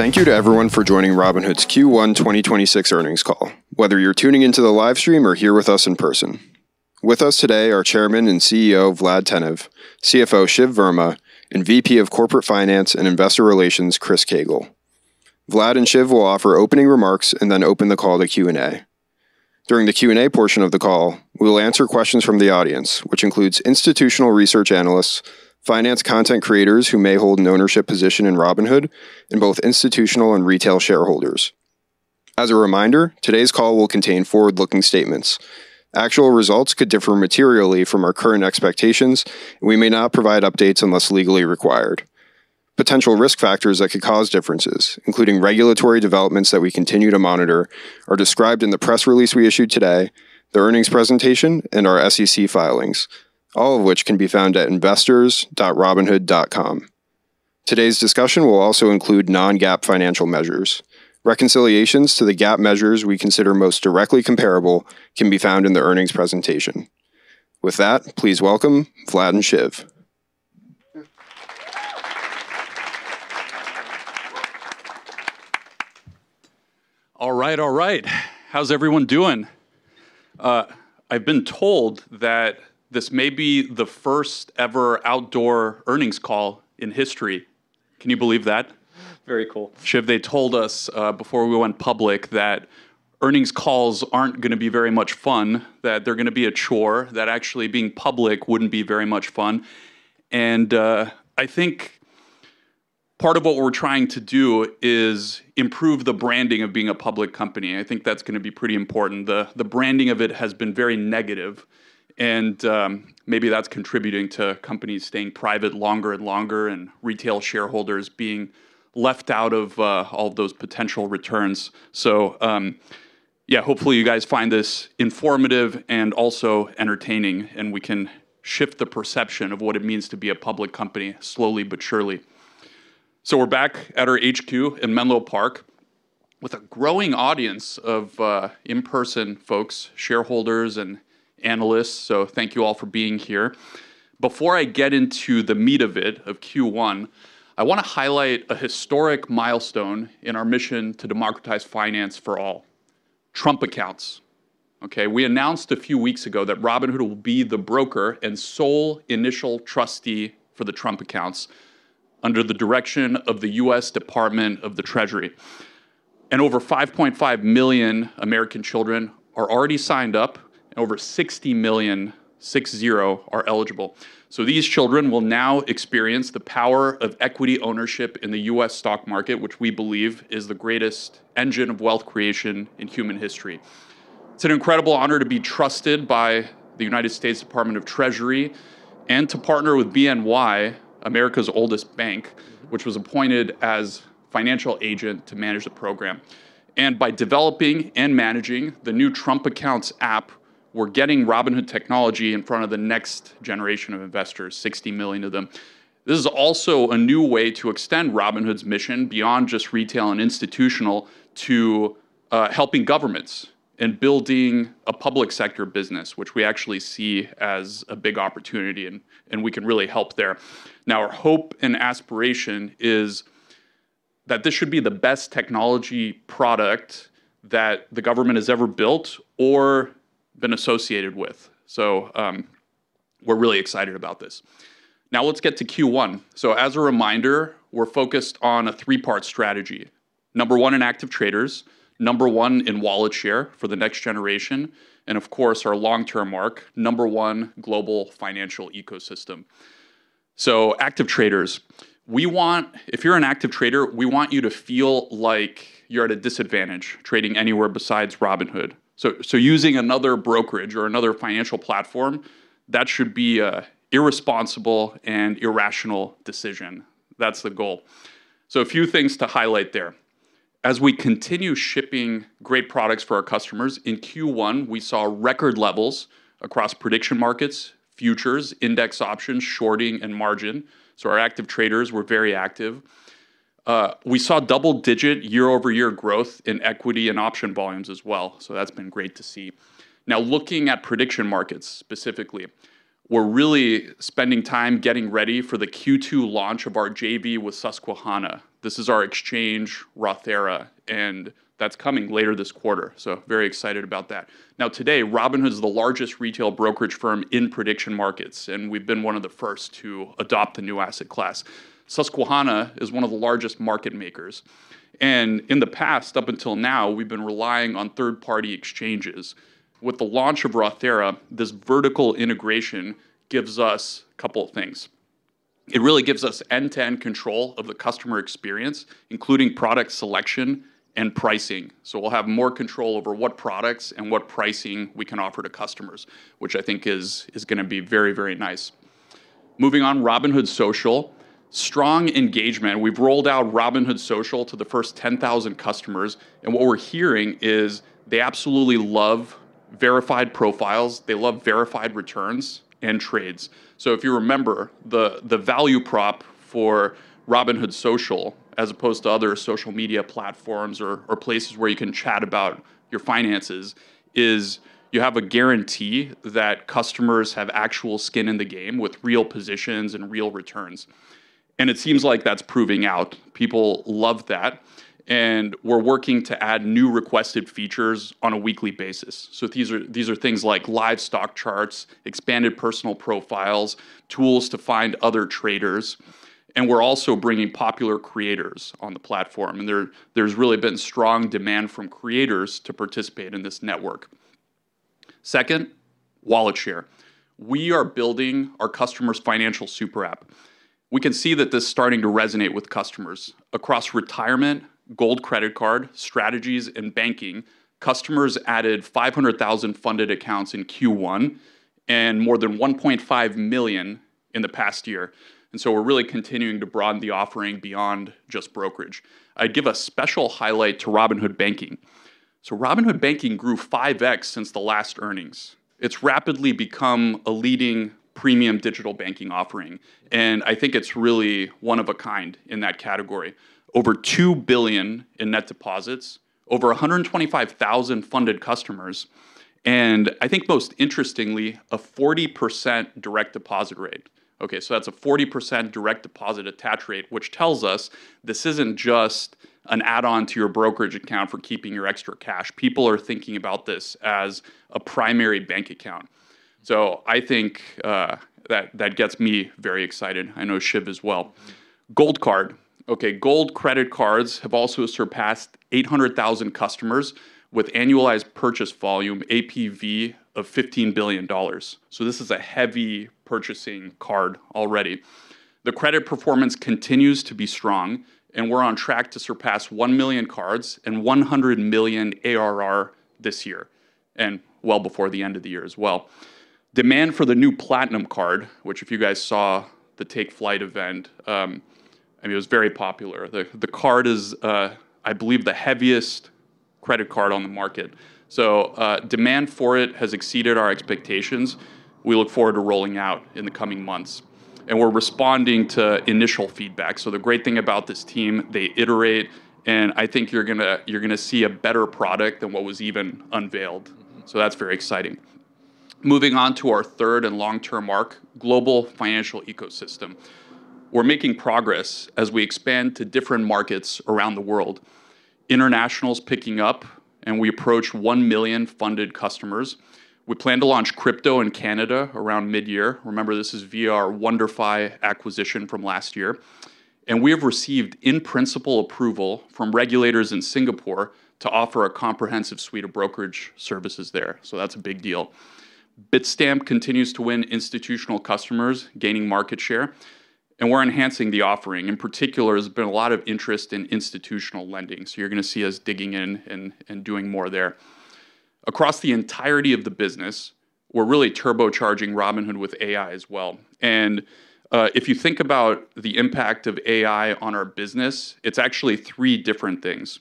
Thank you to everyone for joining Robinhood's Q1 2026 Earnings Call, whether you're tuning into the live stream or here with us in person. With us today are Chairman and CEO, Vlad Tenev, CFO, Shiv Verma, and VP of Corporate Finance and Investor Relations, Chris Koegel. Vlad and Shiv will offer opening remarks and then open the call to Q&A. During the Q&A portion of the call, we will answer questions from the audience, which includes institutional research analysts, finance content creators who may hold an ownership position in Robinhood, and both institutional and retail shareholders. As a reminder, today's call will contain forward-looking statements. Actual results could differ materially from our current expectations. We may not provide updates unless legally required. Potential risk factors that could cause differences, including regulatory developments that we continue to monitor, are described in the press release we issued today, the earnings presentation, and our SEC filings, all of which can be found at investors.robinhood.com. Today's discussion will also include non-GAAP financial measures. Reconciliations to the GAAP measures we consider most directly comparable can be found in the earnings presentation. With that, please welcome Vlad and Shiv. All right. All right. How's everyone doing? I've been told that this may be the first ever outdoor earnings call in history. Can you believe that? Very cool. Shiv, they told us, before we went public that earnings calls aren't gonna be very much fun, that they're gonna be a chore, that actually being public wouldn't be very much fun. I think part of what we're trying to do is improve the branding of being a public company. I think that's gonna be pretty important. The branding of it has been very negative, maybe that's contributing to companies staying private longer and longer, and retail shareholders being left out of all those potential returns. Hopefully, you guys find this informative and also entertaining, and we can shift the perception of what it means to be a public company slowly but surely. We're back at our HQ in Menlo Park with a growing audience of in-person folks, shareholders, and analysts, so thank you all for being here. Before I get into the meat of it, of Q1, I want to highlight a historic milestone in our mission to democratize finance for all, Trump Accounts. Okay. We announced a few weeks ago that Robinhood will be the broker and sole initial trustee for the Trump Accounts under the direction of the U.S. Department of the Treasury. Over 5.5 million American children are already signed up, and over 60 million, six, zero, are eligible. These children will now experience the power of equity ownership in the U.S. stock market, which we believe is the greatest engine of wealth creation in human history. It's an incredible honor to be trusted by the United States Department of the Treasury and to partner with BNY, America's oldest bank, which was appointed as financial agent to manage the program. By developing and managing the new Trump Accounts app, we're getting Robinhood technology in front of the next generation of investors, 60 million of them. This is also a new way to extend Robinhood's mission beyond just retail and institutional to helping governments and building a public sector business, which we actually see as a big opportunity, and we can really help there. Our hope and aspiration is that this should be the best technology product that the government has ever built or been associated with. We're really excited about this. Let's get to Q1. As a reminder, we're focused on a three-part strategy. Number one in active traders, number one in wallet share for the next generation, and of course, our long-term mark, number one global financial ecosystem. Active traders. If you're an active trader, we want you to feel like you're at a disadvantage trading anywhere besides Robinhood. Using another brokerage or another financial platform, that should be a irresponsible and irrational decision. That's the goal. A few things to highlight there. As we continue shipping great products for our customers, in Q1, we saw record levels across prediction markets, futures, index options, shorting, and margin. Our active traders were very active. We saw double-digit year-over-year growth in equity and option volumes as well. That's been great to see. Looking at prediction markets specifically, we're really spending time getting ready for the Q2 launch of our JV with Susquehanna. This is our exchange, Rothera, and that's coming later this quarter, so very excited about that. Today, Robinhood is the largest retail brokerage firm in prediction markets, and we've been one of the first to adopt the new asset class. Susquehanna is one of the largest market makers, and in the past, up until now, we've been relying on third-party exchanges. With the launch of Rothera, this vertical integration gives us a couple of things. It really gives us end-to-end control of the customer experience, including product selection and pricing. We'll have more control over what products and what pricing we can offer to customers, which I think is gonna be very, very nice. Moving on, Robinhood Social. Strong engagement. We've rolled out Robinhood Social to the first 10,000 customers, and what we're hearing is they absolutely love verified profiles. They love verified returns and trades. If you remember, the value prop for Robinhood Social, as opposed to other social media platforms or places where you can chat about your finances, is you have a guarantee that customers have actual skin in the game with real positions and real returns. It seems like that's proving out. People love that, and we're working to add new requested features on a weekly basis. These are things like live stock charts, expanded personal profiles, tools to find other traders, and we're also bringing popular creators on the platform. There's really been strong demand from creators to participate in this network. Second, wallet share. We are building our customers' financial super app. We can see that this is starting to resonate with customers across retirement, Gold Credit Card, strategies, and banking. Customers added 500,000 funded accounts in Q1 and more than 1.5 million in the past year. We're really continuing to broaden the offering beyond just brokerage. I'd give a special highlight to Robinhood Banking. Robinhood Banking grew 5x since the last earnings. It's rapidly become a leading premium digital banking offering, and I think it's really one of a kind in that category. Over $2 billion in net deposits, over 125,000 funded customers, and I think most interestingly, a 40% direct deposit rate. Okay, that's a 40% direct deposit attach rate, which tells us this isn't just an add-on to your brokerage account for keeping your extra cash. People are thinking about this as a primary bank account. I think that gets me very excited. I know Shiv as well. Gold Card. Gold Credit Cards have also surpassed 800,000 customers with annualized purchase volume, APV, of $15 billion. This is a heavy purchasing card already. The credit performance continues to be strong, and we're on track to surpass 1 million cards and $100 million ARR this year, and well before the end of the year as well. Demand for the new Platinum Card, which if you guys saw the Take Flight event, it was very popular. The card is, I believe, the heaviest credit card on the market. Demand for it has exceeded our expectations. We look forward to rolling out in the coming months, and we're responding to initial feedback. The great thing about this team, they iterate, and I think you're gonna see a better product than what was even unveiled. That's very exciting. Moving on to our third and long-term arc, global financial ecosystem. We're making progress as we expand to different markets around the world. International's picking up, and we approach 1 million funded customers. We plan to launch crypto in Canada around mid-year. Remember, this is via our WonderFi acquisition from last year. We have received in-principle approval from regulators in Singapore to offer a comprehensive suite of brokerage services there. That's a big deal. Bitstamp continues to win institutional customers, gaining market share, and we're enhancing the offering. In particular, there's been a lot of interest in institutional lending, so you're gonna see us digging in and doing more there. Across the entirety of the business, we're really turbocharging Robinhood with AI as well. If you think about the impact of AI on our business, it's actually three different things.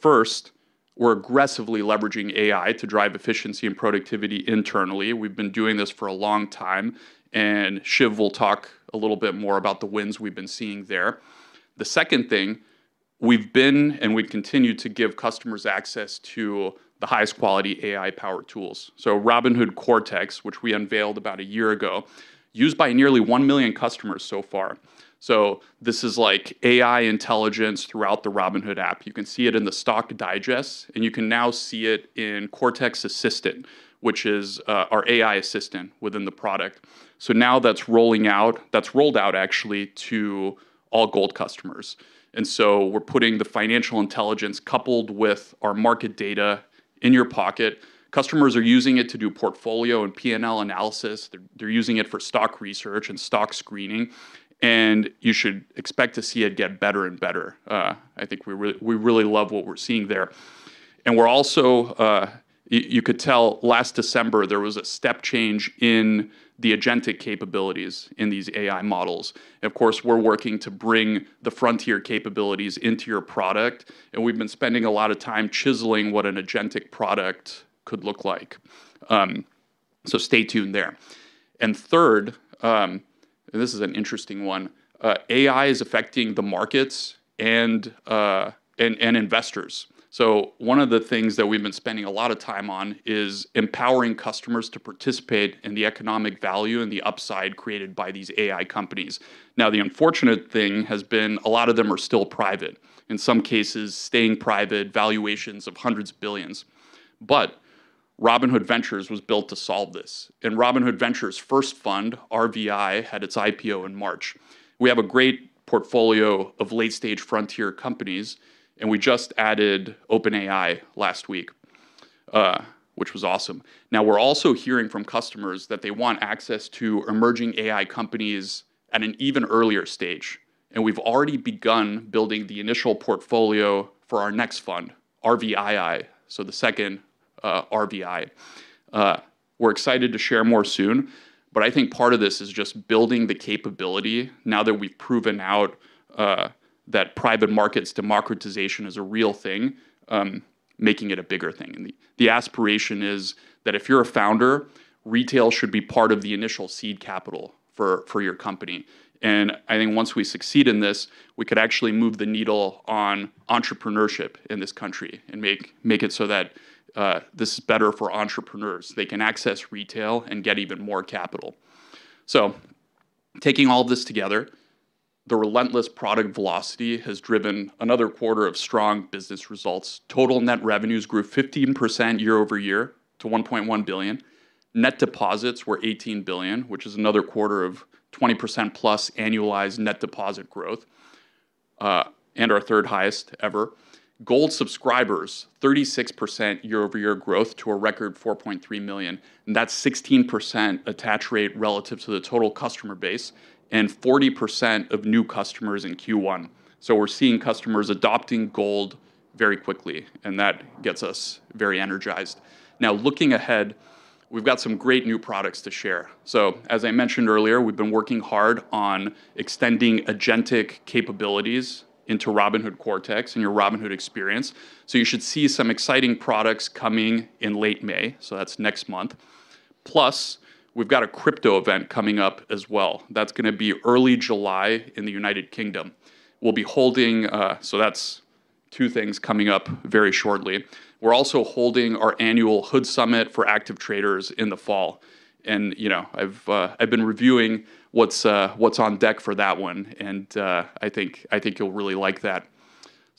First, we're aggressively leveraging AI to drive efficiency and productivity internally. We've been doing this for a long time, and Shiv will talk a little bit more about the wins we've been seeing there. The second thing, we continue to give customers access to the highest quality AI-powered tools. Robinhood Cortex, which we unveiled about a year ago, used by nearly 1 million customers so far. This is like AI intelligence throughout the Robinhood app. You can see it in the stock digest, and you can now see it in Cortex Assistant, which is our AI assistant within the product. Now that's rolling out. That's rolled out actually to all Gold customers. We're putting the financial intelligence coupled with our market data in your pocket. Customers are using it to do portfolio and P&L analysis. They're using it for stock research and stock screening. You should expect to see it get better and better. I think we really love what we're seeing there. We're also, you could tell last December, there was a step change in the agentic capabilities in these AI models. Of course, we're working to bring the frontier capabilities into your product, and we've been spending a lot of time chiseling what an agentic product could look like. Stay tuned there. Third, this is an interesting one. AI is affecting the markets and investors. One of the things that we've been spending a lot of time on is empowering customers to participate in the economic value and the upside created by these AI companies. The unfortunate thing has been a lot of them are still private, in some cases, staying private, valuations of hundreds of billions. Robinhood Ventures was built to solve this, and Robinhood Ventures' first fund, RVI, had its IPO in March. We have a great portfolio of late-stage frontier companies, and we just added OpenAI last week, which was awesome. We're also hearing from customers that they want access to emerging AI companies at an even earlier stage, and we've already begun building the initial portfolio for our next fund, RVII. The second RVI. We're excited to share more soon, but I think part of this is just building the capability now that we've proven out that private markets democratization is a real thing, making it a bigger thing. The aspiration is that if you're a founder, retail should be part of the initial seed capital for your company. I think once we succeed in this, we could actually move the needle on entrepreneurship in this country and make it so that this is better for entrepreneurs. They can access retail and get even more capital. Taking all this together, the relentless product velocity has driven another quarter of strong business results. Total net revenues grew 15% year-over-year to $1.1 billion. Net deposits were $18 billion, which is another quarter of 20%+ annualized net deposit growth, and our third highest ever. Gold subscribers, 36% year-over-year growth to a record 4.3 million, and that's 16% attach rate relative to the total customer base and 40% of new customers in Q1. We're seeing customers adopting Gold very quickly, and that gets us very energized. Now, looking ahead, we've got some great new products to share. As I mentioned earlier, we've been working hard on extending agentic capabilities into Robinhood Cortex and your Robinhood experience. You should see some exciting products coming in late May, so that's next month. Plus, we've got a crypto event coming up as well. That's gonna be early July in the United Kingdom. We'll be holding. That's two things coming up very shortly. We're also holding our annual HOOD Summit for active traders in the fall. You know, I've been reviewing what's on deck for that one, and I think you'll really like that.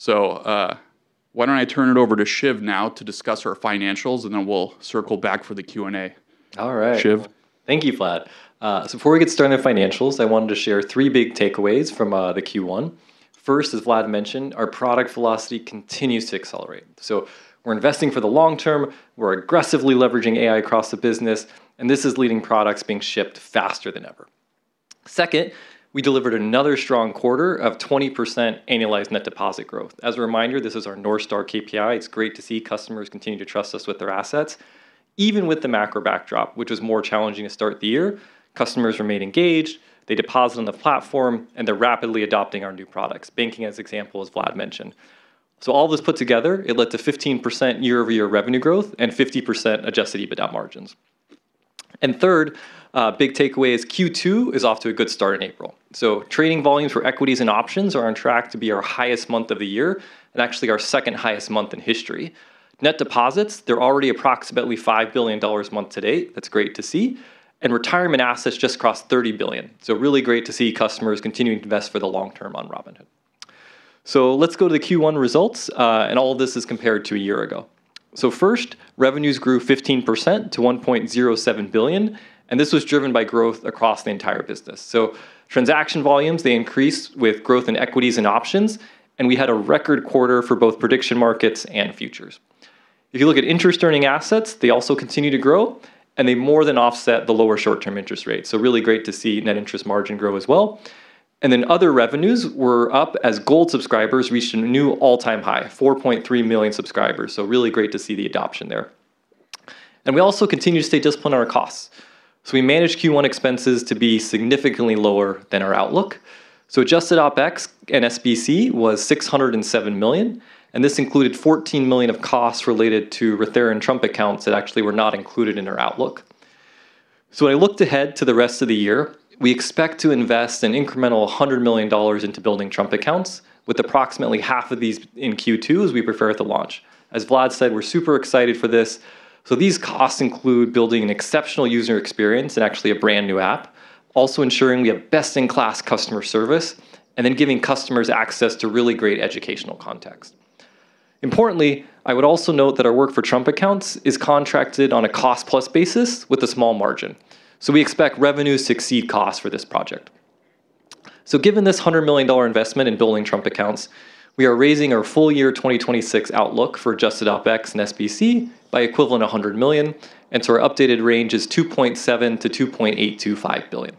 Why don't I turn it over to Shiv now to discuss our financials, and then we'll circle back for the Q&A. All right. Shiv? Thank you, Vlad. Before we get started on financials, I wanted to share three big takeaways from the Q1. First, as Vlad mentioned, our product velocity continues to accelerate. We're investing for the long term, we're aggressively leveraging AI across the business, and this is leading products being shipped faster than ever. Second, we delivered another strong quarter of 20% annualized net deposit growth. As a reminder, this is our North Star KPI. It's great to see customers continue to trust us with their assets. Even with the macro backdrop, which was more challenging to start the year, customers remained engaged, they deposited on the platform, and they're rapidly adopting our new products, banking as an example, as Vlad mentioned. All this put together, it led to 15% year-over-year revenue growth and 50% adjusted EBITDA margins. Third, big takeaway is Q2 is off to a good start in April. Trading volumes for equities and options are on track to be our highest month of the year and actually our second-highest month in history. Net deposits, they're already approximately $5 billion month-to-date. That's great to see. Retirement assets just crossed $30 billion. Really great to see customers continuing to invest for the long term on Robinhood. Let's go to the Q1 results, and all of this is compared to a year ago. First, revenues grew 15% to $1.07 billion, and this was driven by growth across the entire business. Transaction volumes, they increased with growth in equities and options, and we had a record quarter for both prediction markets and futures. If you look at interest-earning assets, they also continue to grow, and they more than offset the lower short-term interest rates. Really great to see net interest margin grow as well. Other revenues were up as Gold subscribers reached a new all-time high, 4.3 million subscribers. Really great to see the adoption there. And we also continue to stay disciplined on our costs. We managed Q1 expenses to be significantly lower than our outlook. Adjusted OpEx and SBC was $607 million, and this included $14 million of costs related to Rothera and Trump Accounts that actually were not included in our outlook. When I looked ahead to the rest of the year, we expect to invest an incremental $100 million into building Trump Accounts, with approximately half of these in Q2 as we prepare for the launch. As Vlad said, we're super excited for this. These costs include building an exceptional user experience and actually a brand-new app, also ensuring we have best-in-class customer service, and then giving customers access to really great educational context. Importantly, I would also note that our work for Trump Accounts is contracted on a cost-plus basis with a small margin. We expect revenues to exceed costs for this project. Given this $100 million investment in building Trump Accounts, we are raising our full year 2026 outlook for adjusted OpEx and SBC by equivalent $100 million, our updated range is $2.7 billion-$2.825 billion.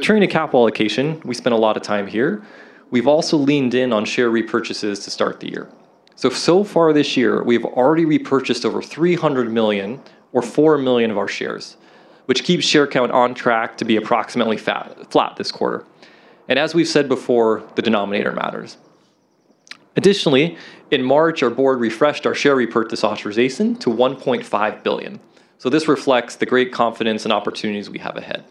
Turning to capital allocation, we spent a lot of time here. We've also leaned in on share repurchases to start the year. So far this year, we have already repurchased over $300 million or $4 million of our shares, which keeps share count on track to be approximately flat this quarter. As we've said before, the denominator matters. Additionally, in March, our board refreshed our share repurchase authorization to $1.5 billion. This reflects the great confidence and opportunities we have ahead.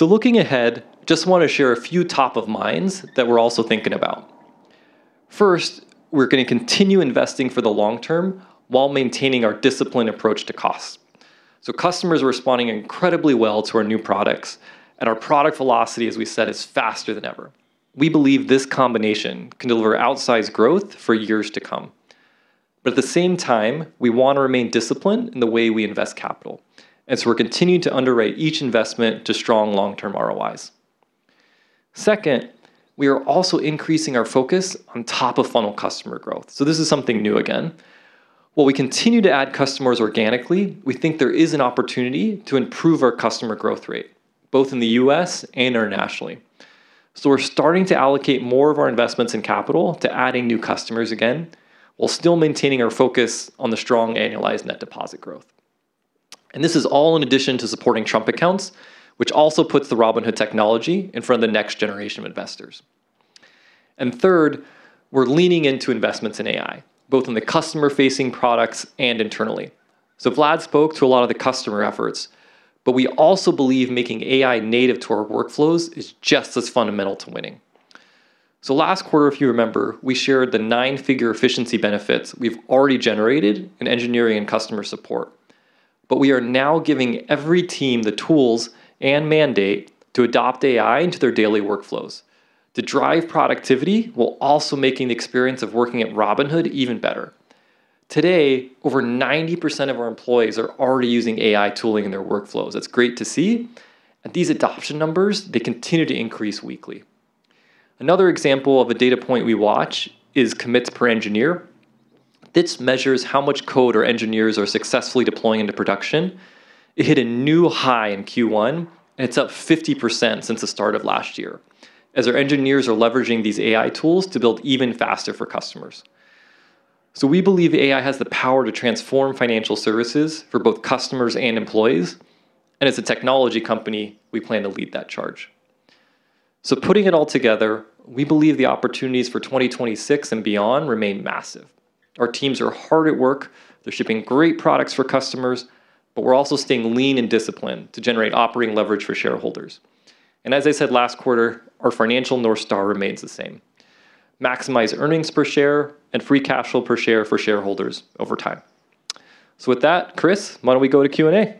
Looking ahead, just wanna share a few top of minds that we're also thinking about. First, we're gonna continue investing for the long term while maintaining our disciplined approach to cost. Customers are responding incredibly well to our new products, and our product velocity, as we said, is faster than ever. We believe this combination can deliver outsized growth for years to come. At the same time, we wanna remain disciplined in the way we invest capital, and so we're continuing to underwrite each investment to strong long-term ROIs. Second, we are also increasing our focus on top-of-funnel customer growth. This is something new again. While we continue to add customers organically, we think there is an opportunity to improve our customer growth rate, both in the U.S. and internationally. We're starting to allocate more of our investments and capital to adding new customers again, while still maintaining our focus on the strong annualized net deposit growth. This is all in addition to supporting Trump Accounts, which also puts the Robinhood technology in front of the next generation of investors. Third, we're leaning into investments in AI, both in the customer-facing products and internally. Vlad spoke to a lot of the customer efforts, but we also believe making AI native to our workflows is just as fundamental to winning. Last quarter, if you remember, we shared the nine-figure efficiency benefits we've already generated in engineering and customer support. We are now giving every team the tools and mandate to adopt AI into their daily workflows, to drive productivity while also making the experience of working at Robinhood even better. Today, over 90% of our employees are already using AI tooling in their workflows. That's great to see. These adoption numbers, they continue to increase weekly. Another example of a data point we watch is commits per engineer. This measures how much code our engineers are successfully deploying into production. It hit a new high in Q1, and it's up 50% since the start of last year, as our engineers are leveraging these AI tools to build even faster for customers. We believe AI has the power to transform financial services for both customers and employees, and as a technology company, we plan to lead that charge. Putting it all together, we believe the opportunities for 2026 and beyond remain massive. Our teams are hard at work, they're shipping great products for customers, but we're also staying lean and disciplined to generate operating leverage for shareholders. As I said last quarter, our financial North Star remains the same: maximize earnings per share and free cash flow per share for shareholders over time. With that, Chris, why don't we go to Q&A?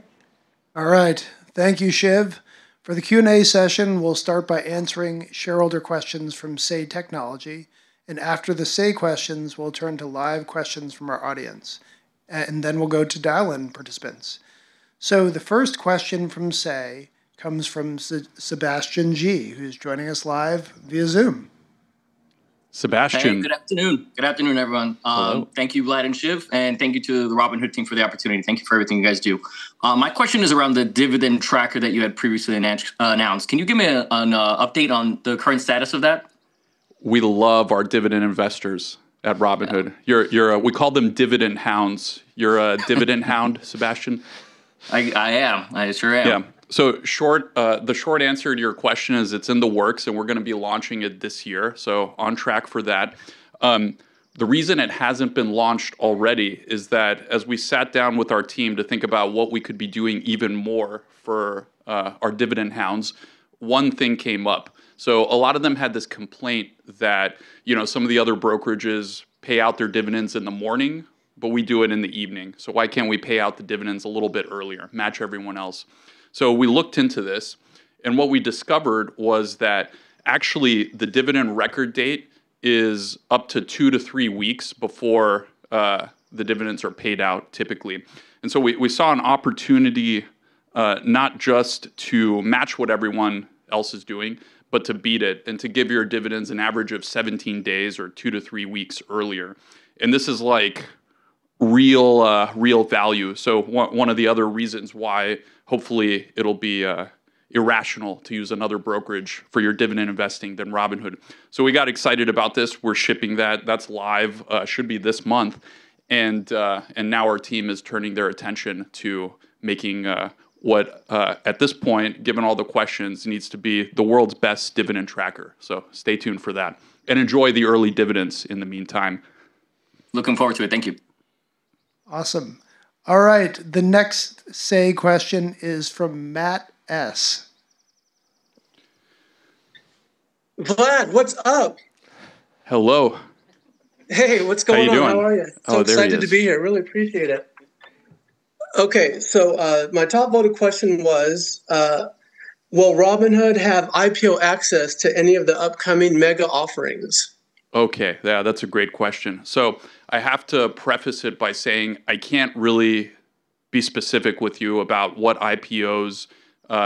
All right. Thank you, Shiv. For the Q&A session, we'll start by answering shareholder questions from Say Technologies. After the Say questions, we'll turn to live questions from our audience. Then we'll go to dial-in participants. The first question from Say comes from Sebastian G, who's joining us live via Zoom. Sebastian. Hey, good afternoon. Good afternoon, everyone. Hello. Thank you, Vlad and Shiv, and thank you to the Robinhood team for the opportunity, and thank you for everything you guys do. My question is around the dividend tracker that you had previously announced. Can you give me an update on the current status of that? We love our dividend investors at Robinhood. We call them dividend hounds. You're a dividend hound, Sebastian? I am. I sure am. Yeah. The short answer to your question is it's in the works, and we're gonna be launching it this year, on track for that. The reason it hasn't been launched already is that as we sat down with our team to think about what we could be doing even more for our dividend hounds, one thing came up. A lot of them had this complaint that, you know, some of the other brokerages pay out their dividends in the morning, but we do it in the evening. Why can't we pay out the dividends a little bit earlier, match everyone else? We looked into this, and what we discovered was that actually the dividend record date is up to two to three weeks before the dividends are paid out typically. We saw an opportunity, not just to match what everyone else is doing, but to beat it and to give your dividends an average of 17 days or two to three weeks earlier. This is, like, real value, so one of the other reasons why hopefully it'll be irrational to use another brokerage for your dividend investing than Robinhood. We got excited about this. We're shipping that. That's live, should be this month. Now our team is turning their attention to making what, at this point, given all the questions, needs to be the world's best dividend tracker. Stay tuned for that, and enjoy the early dividends in the meantime. Looking forward to it. Thank you. Awesome. All right, the next Say question is from Matt S. Vlad, what's up? Hello. Hey, what's going on? How you doing? How are you? Oh, there he is. Excited to be here. Really appreciate it. My top voted question was, will Robinhood have IPO access to any of the upcoming mega offerings? Okay. Yeah, that's a great question. I have to preface it by saying I can't really be specific with you about what IPOs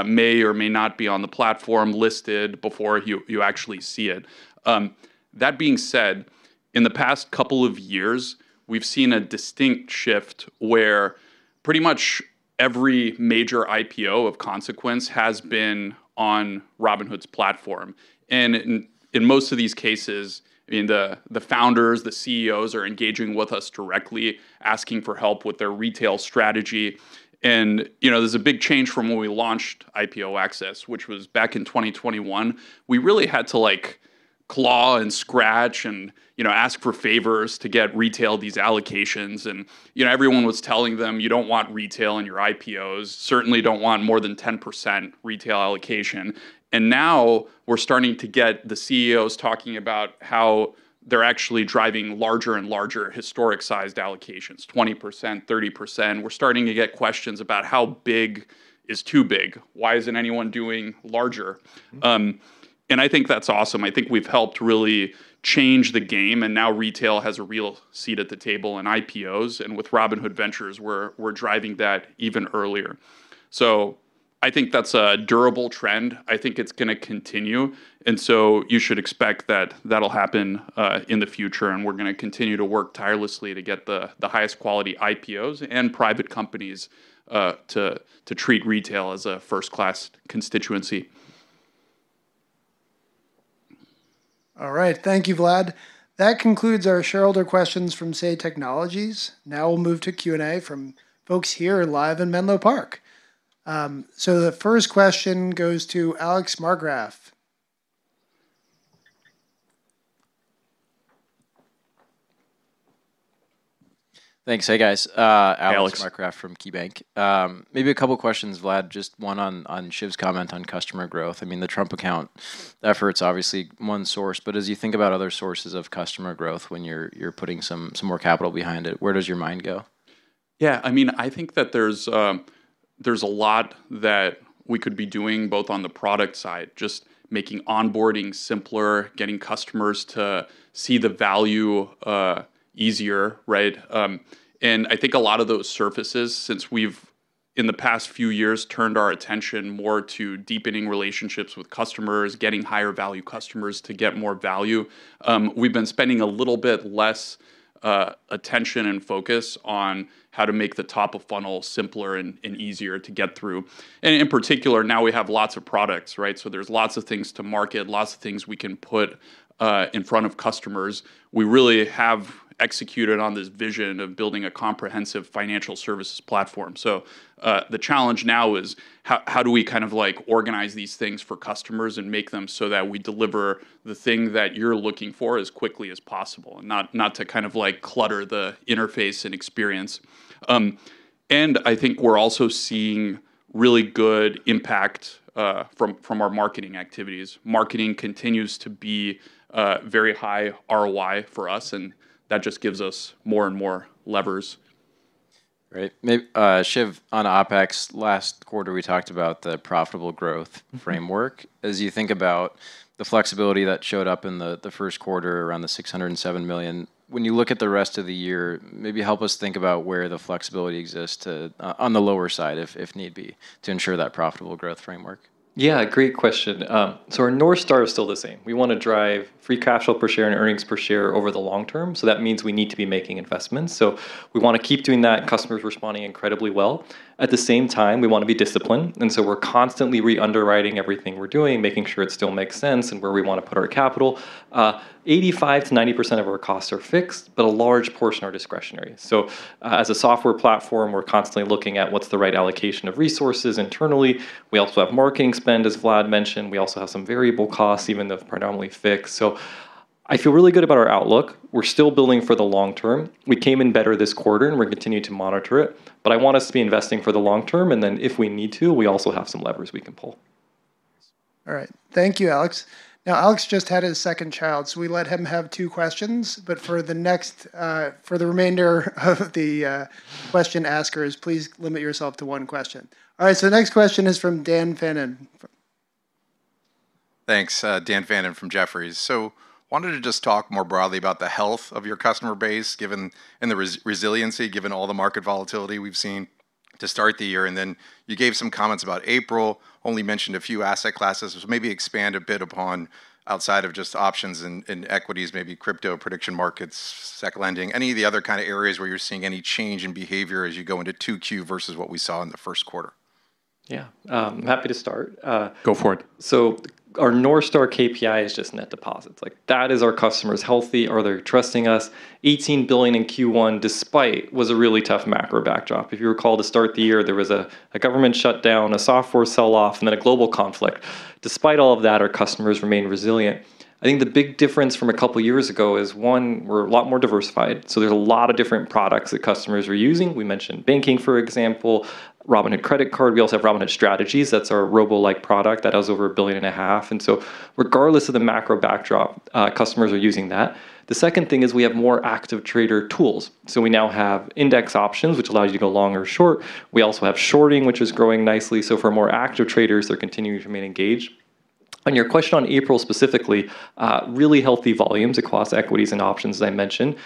may or may not be on the platform listed before you actually see it. That being said, in the past couple of years, we've seen a distinct shift where pretty much every major IPO of consequence has been on Robinhood's platform. In most of these cases, I mean, the founders, the CEOs are engaging with us directly, asking for help with their retail strategy. You know, there's a big change from when we launched IPO access, which was back in 2021. We really had to, like, claw and scratch and, you know, ask for favors to get retail these allocations. You know, everyone was telling them, "You don't want retail in your IPOs. Certainly don't want more than 10% retail allocation. Now we're starting to get the CEOs talking about how they're actually driving larger and larger historic-sized allocations, 20%, 30%. We're starting to get questions about how big is too big? Why isn't anyone doing larger? I think that's awesome. I think we've helped really change the game, and now retail has a real seat at the table in IPOs. With Robinhood Ventures, we're driving that even earlier. I think that's a durable trend. I think it's gonna continue. You should expect that that'll happen in the future. We're gonna continue to work tirelessly to get the highest quality IPOs and private companies to treat retail as a first-class constituency. All right. Thank you, Vlad. That concludes our shareholder questions from Say Technologies. Now we'll move to Q&A from folks here live in Menlo Park. The first question goes to Alex Markgraff. Thanks. Hey, guys. Alex. Alex Markgraff from KeyBanc. Maybe a couple questions, Vlad. Just one on Shiv's comment on customer growth. I mean, the Trump Accounts effort's obviously one source, but as you think about other sources of customer growth when you're putting some more capital behind it, where does your mind go? Yeah, I mean, I think that there's a lot that we could be doing both on the product side, just making onboarding simpler, getting customers to see the value, easier, right? I think a lot of those surfaces, since we've, in the past few years, turned our attention more to deepening relationships with customers, getting higher value customers to get more value, we've been spending a little bit less, attention and focus on how to make the top of funnel simpler and easier to get through. In particular, now we have lots of products, right? There's lots of things to market, lots of things we can put, in front of customers. We really have executed on this vision of building a comprehensive financial services platform. The challenge now is how do we kind of like organize these things for customers and make them so that we deliver the thing that you're looking for as quickly as possible and not to kind of like clutter the interface and experience. I think we're also seeing really good impact from our marketing activities. Marketing continues to be very high ROI for us, and that just gives us more and more levers. Right. Shiv, on OpEx, last quarter we talked about the profitable growth framework. Mm-hmm. As you think about the flexibility that showed up in the first quarter around the $607 million, when you look at the rest of the year, maybe help us think about where the flexibility exists to on the lower side if need be, to ensure that profitable growth framework. Yeah, great question. Our North Star is still the same. We wanna drive free cash flow per share and earnings per share over the long term, that means we need to be making investments. We wanna keep doing that. Customers are responding incredibly well. At the same time, we wanna be disciplined, we're constantly re-underwriting everything we're doing, making sure it still makes sense and where we wanna put our capital. 85%-90% of our costs are fixed, but a large portion are discretionary. As a software platform, we're constantly looking at what's the right allocation of resources internally. We also have marketing spend, as Vlad mentioned. We also have some variable costs, even though predominantly fixed. I feel really good about our outlook. We're still building for the long term. We came in better this quarter, and we're going to continue to monitor it, but I want us to be investing for the long term, and then if we need to, we also have some levers we can pull. All right. Thank you, Alex. Alex just had his second child, so we let him have two questions, but for the remainder of the question askers, please limit yourself to one question. All right, the next question is from Dan Fannon. Thanks. Dan Fannon from Jefferies. I wanted to just talk more broadly about the health of your customer base given, and the resiliency given all the market volatility we've seen to start the year, and then you gave some comments about April, only mentioned a few asset classes. Maybe expand a bit upon outside of just options and equities, maybe crypto prediction markets, securities lending, any of the other kinda areas where you're seeing any change in behavior as you go into 2Q versus what we saw in the first quarter. Yeah. happy to start. Go for it. Our North Star KPI is just net deposits. Like, that is our customers healthy? Are they trusting us? $18 billion in Q1, despite a really tough macro backdrop. If you recall, to start the year, there was a government shutdown, a software sell-off, and then a global conflict. Despite all of that, our customers remain resilient. I think the big difference from a couple years ago is, one, we're a lot more diversified, so there's a lot of different products that customers are using. We mentioned banking, for example, Robinhood Credit Card. We also have Robinhood Strategies. That's our robo-like product that does over $1.5 billion. Regardless of the macro backdrop, customers are using that. The second thing is, we have more active trader tools. We now have index options, which allows you to go long or short. We also have shorting, which is growing nicely. For more active traders, they're continuing to remain engaged. On your question on April specifically, really healthy volumes across equities and options, as I mentioned.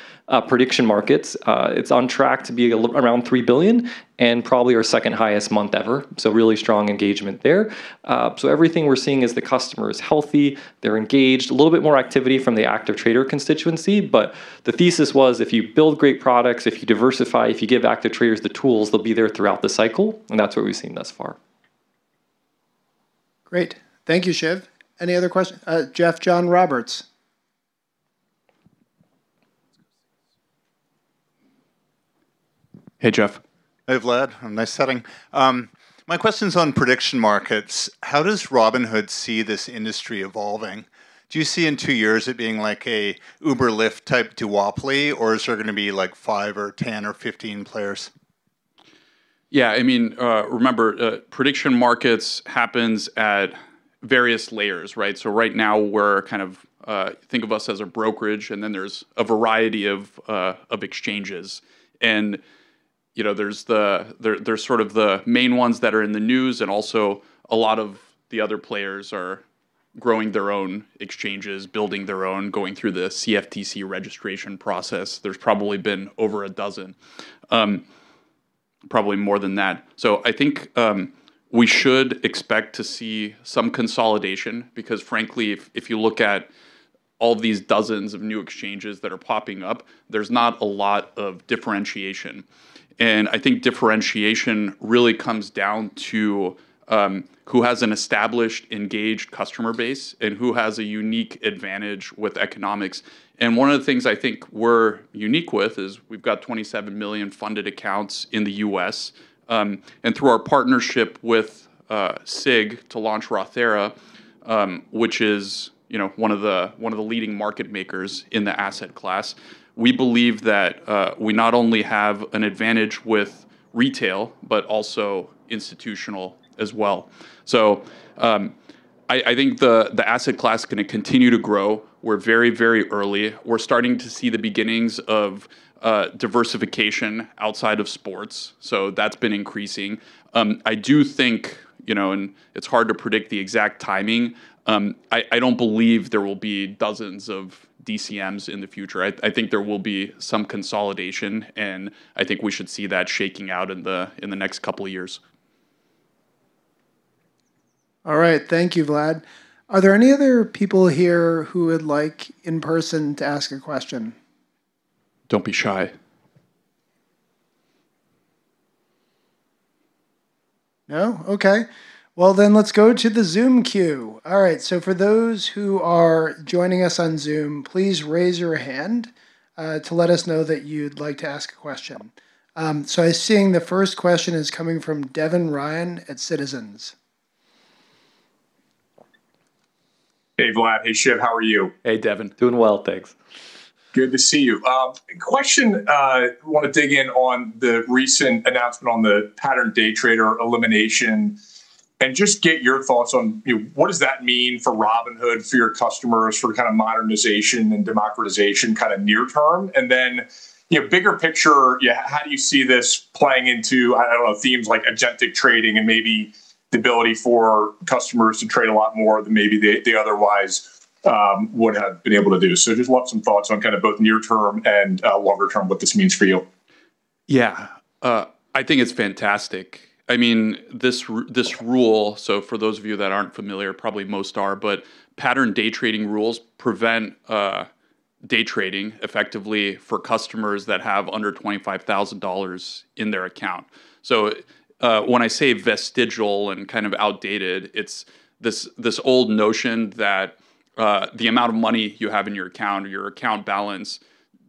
Prediction markets, it's on track to be around $3 billion and probably our second-highest month ever, really strong engagement there. Everything we're seeing is the customer is healthy, they're engaged. A little bit more activity from the active trader constituency, the thesis was if you build great products, if you diversify, if you give active traders the tools, they'll be there throughout the cycle, that's what we've seen thus far. Great. Thank you, Shiv. Any other question? Jeff John Roberts. Hey, Jeff. Hey, Vlad. Nice setting. My question's on prediction markets. How does Robinhood see this industry evolving? Do you see in two years it being like a Uber-Lyft type duopoly, or is there gonna be like five or 10 or 15 players? Yeah, I mean, remember, prediction markets happens at various layers, right? Right now we're kind of, think of us as a brokerage, and then there's a variety of exchanges. You know, there's the, there's sort of the main ones that are in the news and also a lot of the other players are growing their own exchanges, building their own, going through the CFTC registration process. There's probably been over a dozen, probably more than that. I think, we should expect to see some consolidation because frankly, if you look at all these dozens of new exchanges that are popping up, there's not a lot of differentiation. I think differentiation really comes down to, who has an established engaged customer base and who has a unique advantage with economics. One of the things I think we're unique with is we've got 27 million funded accounts in the U.S. Through our partnership with SIG to launch Rothera, which is, you know, one of the, one of the leading market makers in the asset class, we believe that we not only have an advantage with retail, but also institutional as well. I think the asset class is gonna continue to grow. We're very, very early. We're starting to see the beginnings of diversification outside of sports, so that's been increasing. I do think, you know, and it's hard to predict the exact timing, I don't believe there will be dozens of DCMs in the future. I think there will be some consolidation, and I think we should see that shaking out in the next couple years. All right. Thank you, Vlad. Are there any other people here who would like, in person, to ask a question? Don't be shy. No? Okay. Let's go to the Zoom queue. For those who are joining us on Zoom, please raise your hand to let us know that you'd like to ask a question. I'm seeing the first question is coming from Devin Ryan at Citizens. Hey, Vlad. Hey, Shiv. How are you? Hey, Devin. Doing well, thanks. Good to see you. Question, wanna dig in on the recent announcement on the pattern day trader elimination and just get your thoughts on, you know, what does that mean for Robinhood, for your customers, for kind of modernization and democratization kind of near term? Bigger picture, you know, how do you see this playing into themes like agentic trading and maybe the ability for customers to trade a lot more than maybe they otherwise would have been able to do? Want some thoughts on kinda both near term and longer term what this means for you. Yeah. I think it's fantastic. I mean, this rule, so for those of you that aren't familiar, probably most are, but pattern day trading rules prevent day trading effectively for customers that have under $25,000 in their account. When I say vestigial and kind of outdated, it's this old notion that the amount of money you have in your account or your account balance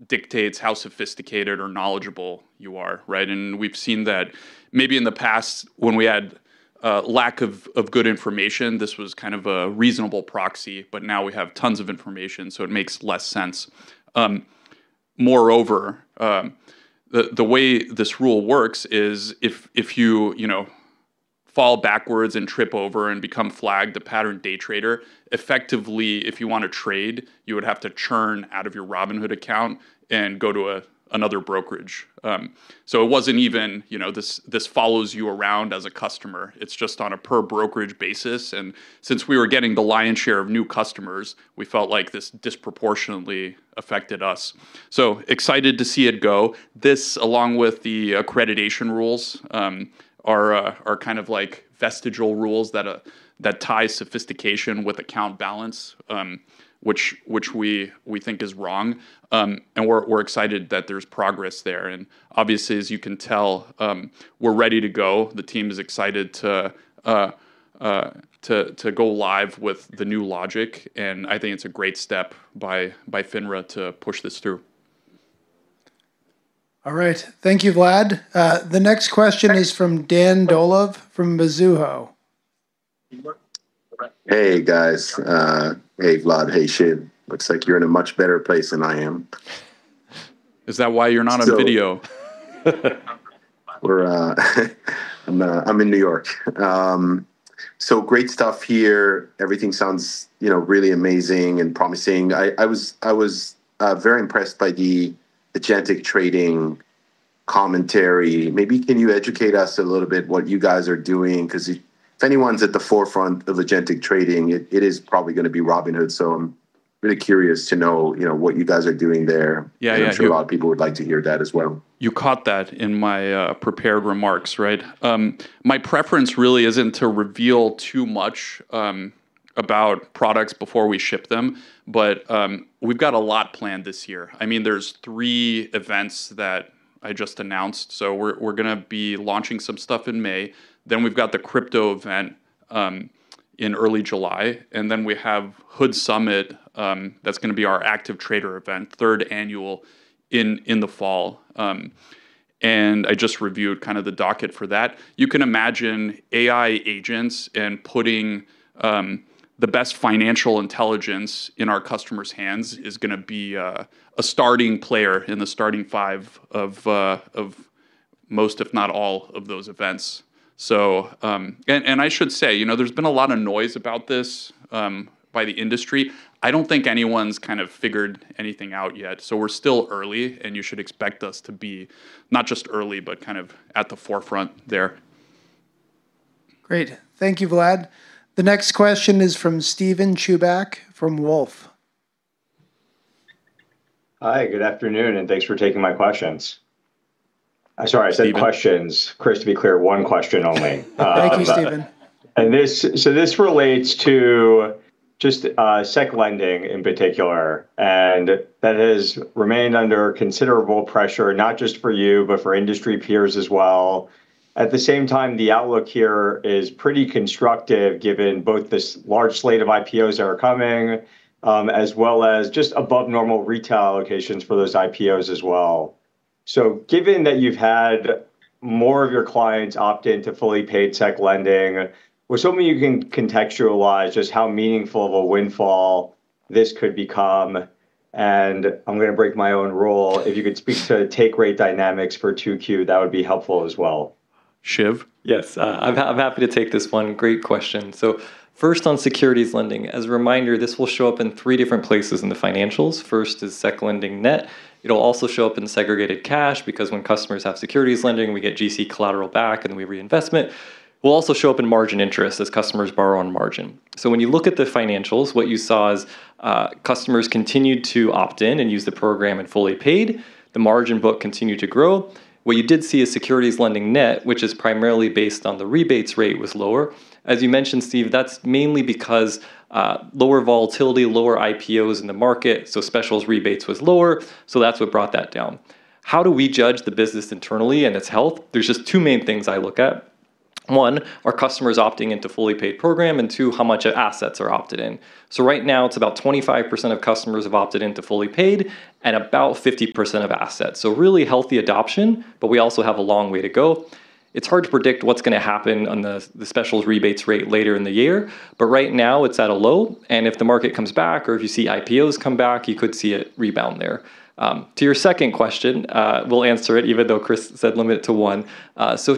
dictates how sophisticated or knowledgeable you are, right? We've seen that maybe in the past when we had a lack of good information, this was kind of a reasonable proxy, but now we have tons of information, so it makes less sense. Moreover, the way this rule works is if you fall backwards and trip over and become flagged a pattern day trader, effectively, if you wanna trade, you would have to churn out of your Robinhood account and go to another brokerage. It wasn't even, this follows you around as a customer. It's just on a per brokerage basis, and since we were getting the lion's share of new customers, we felt like this disproportionately affected us. Excited to see it go. This, along with the accreditation rules, are kind of like vestigial rules that tie sophistication with account balance, which we think is wrong. We're excited that there's progress there. Obviously, as you can tell, we're ready to go. The team is excited to go live with the new logic, and I think it's a great step by FINRA to push this through. All right. Thank you, Vlad. The next question is from Dan Dolev from Mizuho. Hey, guys. Hey, Vlad. Hey, Shiv. Looks like you're in a much better place than I am. Is that why you're not on video? I'm in New York. Great stuff here. Everything sounds, you know, really amazing and promising. I was very impressed by the agentic trading commentary. Maybe can you educate us a little bit what you guys are doing? If anyone's at the forefront of agentic trading, it is probably gonna be Robinhood, so I'm really curious to know, you know, what you guys are doing there? Yeah, yeah. I'm sure a lot of people would like to hear that as well. You caught that in my prepared remarks, right? My preference really isn't to reveal too much about products before we ship them, but we've got a lot planned this year. I mean, there's three events that I just announced, so we're gonna be launching some stuff in May, then we've got the crypto event in early July, and then we have HOOD Summit, that's gonna be our active trader event, third annual, in the fall. And I just reviewed kinda the docket for that. You can imagine AI agents and putting the best financial intelligence in our customers' hands is gonna be a starting player in the starting five of most, if not all, of those events. I should say, you know, there's been a lot of noise about this by the industry. I don't think anyone's kind of figured anything out yet. We're still early and you should expect us to be not just early, but kind of at the forefront there. Great. Thank you, Vlad. The next question is from Steven Chubak from Wolfe. Hi, good afternoon, and thanks for taking my questions. Sorry, Steven. Sorry, I said questions. Chris, to be clear, one question only. Thank you, Steven. This relates to securities lending in particular, that has remained under considerable pressure, not just for you, but for industry peers as well. At the same time, the outlook here is pretty constructive given both this large slate of IPOs that are coming, as well as above normal retail allocations for those IPOs as well. Given that you've had more of your clients opt in to fully paid securities lending, we're assuming you can contextualize how meaningful of a windfall this could become. I'm gonna break my own rule. If you could speak to take rate dynamics for 2Q, that would be helpful as well. Shiv? Yes. I'm happy to take this one. Great question. First on securities lending. As a reminder, this will show up in three different places in the financials. First is securities lending net. It'll also show up in segregated cash, because when customers have securities lending, we get GC collateral back, and then we reinvestment. Will also show up in margin interest as customers borrow on margin. When you look at the financials, what you saw is customers continued to opt in and use the program and fully paid. The margin book continued to grow. What you did see is securities lending net, which is primarily based on the rebates rate, was lower. As you mentioned, Steve, that's mainly because lower volatility, lower IPOs in the market, specials rebates was lower, that's what brought that down. How do we judge the business internally and its health? There's just two main things I look at. One, are customers opting into fully paid program, two, how much of assets are opted in. Right now it's about 25% of customers have opted into fully paid and about 50% of assets. Really healthy adoption, we also have a long way to go. It's hard to predict what's gonna happen on the specials rebates rate later in the year. Right now it's at a low, if the market comes back or if you see IPOs come back, you could see a rebound there. To your second question, we'll answer it even though Chris said limit it to one.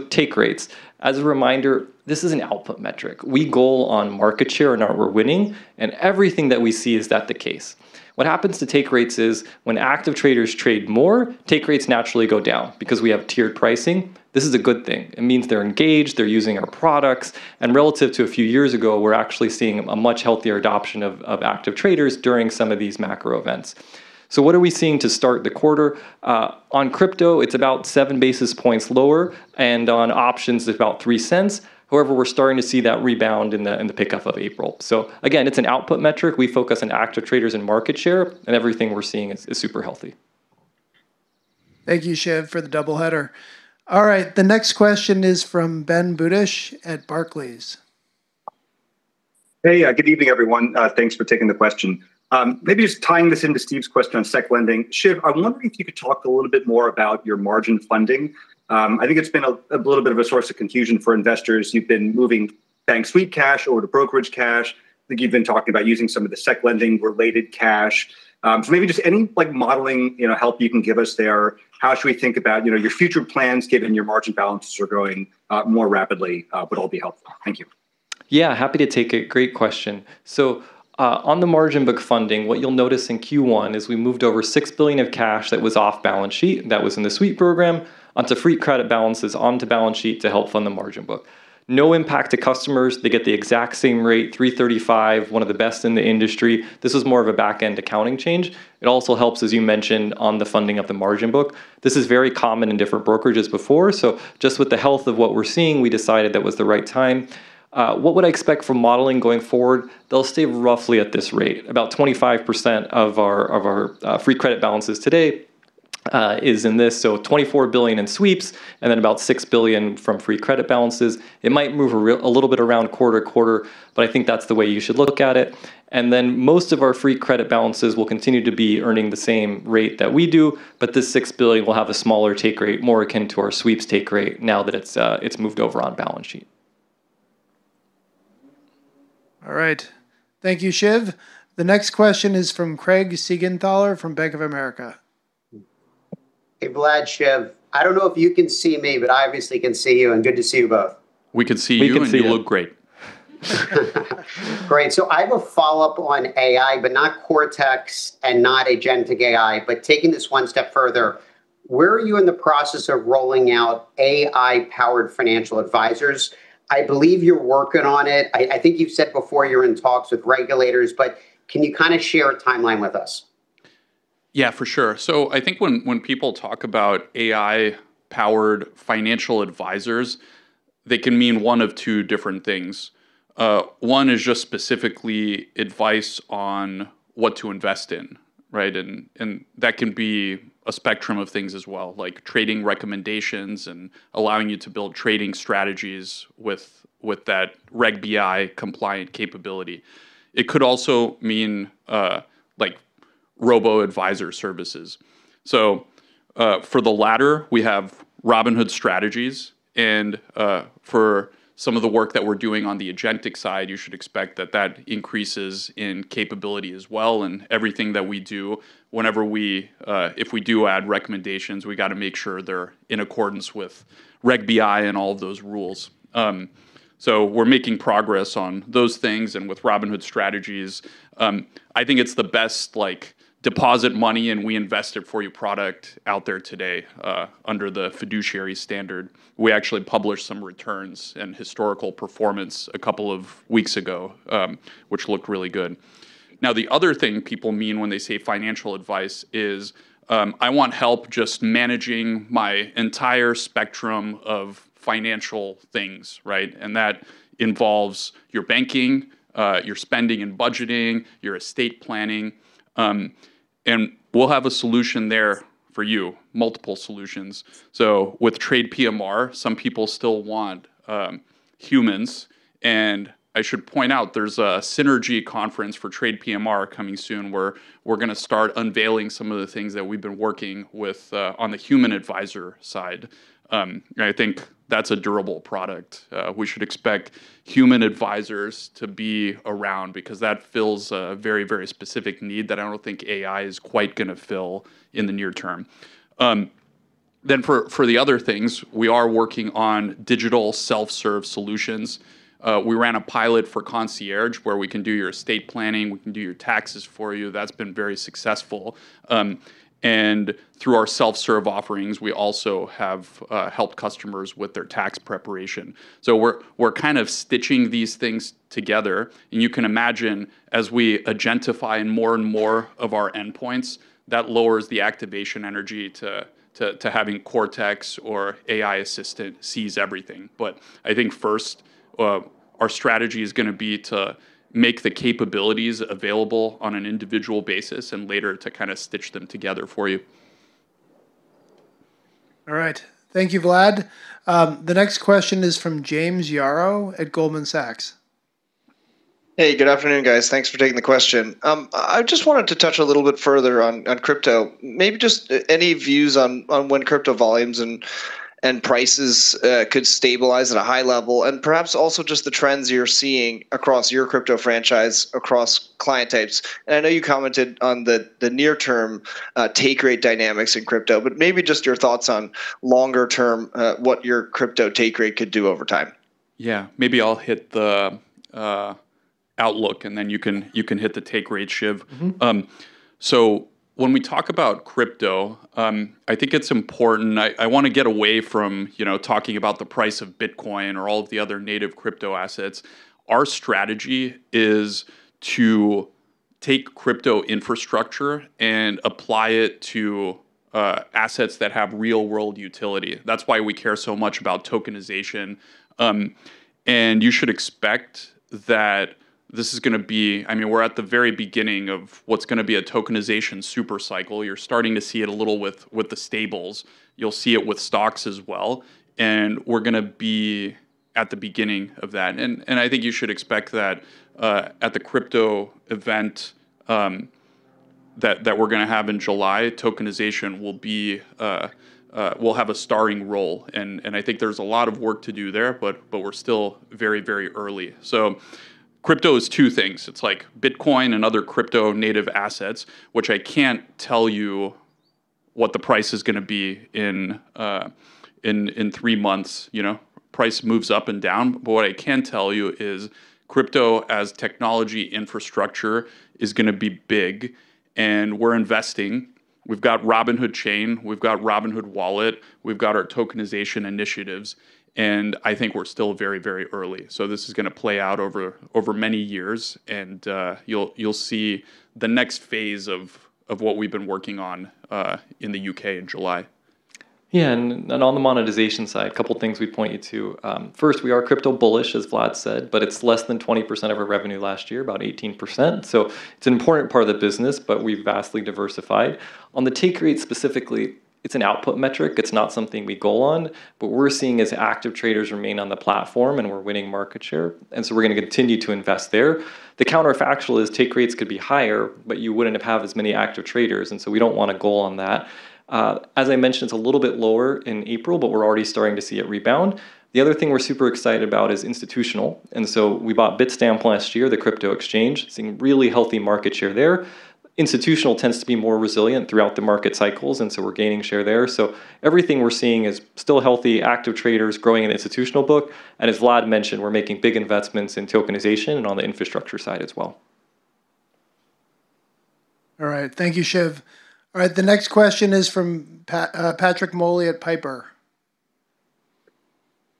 Take rates. As a reminder, this is an output metric. We goal on market share and network winning, and everything that we see is that the case. What happens to take rates is when active traders trade more, take rates naturally go down because we have tiered pricing. This is a good thing. It means they're engaged, they're using our products, and relative to a few years ago, we're actually seeing a much healthier adoption of active traders during some of these macro events. What are we seeing to start the quarter? On crypto, it's about 7 basis points lower, and on options it's about $0.03. However, we're starting to see that rebound in the pickup of April. Again, it's an output metric. We focus on active traders and market share, and everything we're seeing is super healthy. Thank you, Shiv, for the double header. All right, the next question is from Ben Budish at Barclays. Hey. Good evening, everyone. Thanks for taking the question. Maybe just tying this into Steven's question on securities lending, Shiv, I'm wondering if you could talk a little bit more about your margin funding. I think it's been a little bit of a source of confusion for investors. You've been moving bank sweep cash over to brokerage cash. I think you've been talking about using some of the securities lending related cash. Maybe just any, like, modeling, you know, help you can give us there, how should we think about, you know, your future plans given your margin balances are growing more rapidly, would all be helpful. Thank you. Happy to take it. Great question. On the margin book funding, what you'll notice in Q1 is we moved over $6 billion of cash that was off balance sheet, that was in the sweep program, onto free credit balances onto balance sheet to help fund the margin book. No impact to customers. They get the exact same rate, 3.35%, one of the best in the industry. This was more of a back-end accounting change. It also helps, as you mentioned, on the funding of the margin book. This is very common in different brokerages before, just with the health of what we're seeing, we decided that was the right time. What would I expect from modeling going forward? They'll stay roughly at this rate. About 25% of our free credit balances today is in this, so $24 billion in sweeps and then about $6 billion from free credit balances. It might move a little bit around quarter to quarter, but I think that's the way you should look at it. Most of our free credit balances will continue to be earning the same rate that we do, but this $6 billion will have a smaller take rate, more akin to our sweeps take rate now that it's moved over on balance sheet. All right. Thank you, Shiv. The next question is from Craig Siegenthaler from Bank of America. Hey, Vlad, Shiv. I don't know if you can see me, but I obviously can see you, and good to see you both. We can see you. We can see you. You look great. Great. I have a follow-up on AI, but not Cortex and not agentic AI, but taking this one step further, where are you in the process of rolling out AI-powered financial advisors? I believe you're working on it. I think you've said before you're in talks with regulators, but can you kinda share a timeline with us? Yeah, for sure. I think when people talk about AI-powered financial advisors, they can mean one of two different things. One is just specifically advice on what to invest in, right? And that can be a spectrum of things as well, like trading recommendations and allowing you to build trading strategies with that Reg BI compliant capability. It could also mean, like, robo-advisor services. For the latter, we have Robinhood Strategies, and for some of the work that we're doing on the agentic side, you should expect that that increases in capability as well, and everything that we do whenever we if we do add recommendations, we gotta make sure they're in accordance with Reg BI and all of those rules. We're making progress on those things and with Robinhood Strategies. I think it's the best, like, deposit money and we invest it for you product out there today, under the fiduciary standard. We actually published some returns and historical performance a couple of weeks ago, which looked really good. Now the other thing people mean when they say financial advice is, I want help just managing my entire spectrum of financial things, right? That involves your banking, your spending and budgeting, your estate planning. We'll have a solution there for you, multiple solutions. With TradePMR, some people still want humans, and I should point out there's a synergy conference for TradePMR coming soon where we're gonna start unveiling some of the things that we've been working with on the human advisor side. I think that's a durable product. We should expect human advisors to be around because that fills a very, very specific need that I don't think AI is quite gonna fill in the near term. For, for the other things, we are working on digital self-serve solutions. We ran a pilot for Concierge, where we can do your estate planning, we can do your taxes for you. That's been very successful. Through our self-serve offerings, we also have helped customers with their tax preparation. We're kind of stitching these things together, and you can imagine, as we agentify more and more of our endpoints, that lowers the activation energy to having Cortex or AI Assistant seize everything. I think first, our strategy is gonna be to make the capabilities available on an individual basis, and later to kinda stitch them together for you. All right. Thank you, Vlad. The next question is from James Yaro at Goldman Sachs. Hey, good afternoon, guys. Thanks for taking the question. I just wanted to touch a little bit further on crypto. Maybe just any views on when crypto volumes and prices, could stabilize at a high level, and perhaps also just the trends you're seeing across your crypto franchise across client types. I know you commented on the near-term, take rate dynamics in crypto, but maybe just your thoughts on longer term, what your crypto take rate could do over time. Yeah. Maybe I'll hit the outlook, and then you can, you can hit the take rate, Shiv. Mm-hmm. When we talk about crypto, I think it's important, I wanna get away from, you know, talking about the price of Bitcoin or all of the other native crypto assets. Our strategy is to take crypto infrastructure and apply it to assets that have real-world utility. That's why we care so much about tokenization. You should expect that this is gonna be I mean, we're at the very beginning of what's gonna be a tokenization super cycle. You're starting to see it a little with the stables. You'll see it with stocks as well, we're gonna be at the beginning of that. I think you should expect that at the crypto event that we're gonna have in July, tokenization will be will have a starring role. I think there's a lot of work to do there, but we're still very, very early. Crypto is two things. It's like Bitcoin and other crypto native assets, which I can't tell you what the price is gonna be in three months, you know. Price moves up and down, but what I can tell you is crypto as technology infrastructure is gonna be big, and we're investing. We've got Robinhood Chain, we've got Robinhood Wallet, we've got our tokenization initiatives, and I think we're still very, very early. This is gonna play out over many years and you'll see the next phase of what we've been working on in the U.K. in July. On the monetization side, a couple things we'd point you to. First, we are crypto bullish, as Vlad said, but it's less than 20% of our revenue last year, about 18%. It's an important part of the business, but we've vastly diversified. On the take rate specifically, it's an output metric. It's not something we goal on, but we're seeing as active traders remain on the platform, and we're winning market share, and so we're gonna continue to invest there. The counterfactual is take rates could be higher, but you wouldn't have had as many active traders, and so we don't wanna goal on that. As I mentioned, it's a little bit lower in April, but we're already starting to see it rebound. The other thing we're super excited about is institutional. We bought Bitstamp last year, the crypto exchange. Seeing really healthy market share there. Institutional tends to be more resilient throughout the market cycles, we're gaining share there. Everything we're seeing is still healthy, active traders growing in institutional book, and as Vlad mentioned, we're making big investments in tokenization and on the infrastructure side as well. All right. Thank you, Shiv. All right, the next question is from Patrick Moley at Piper.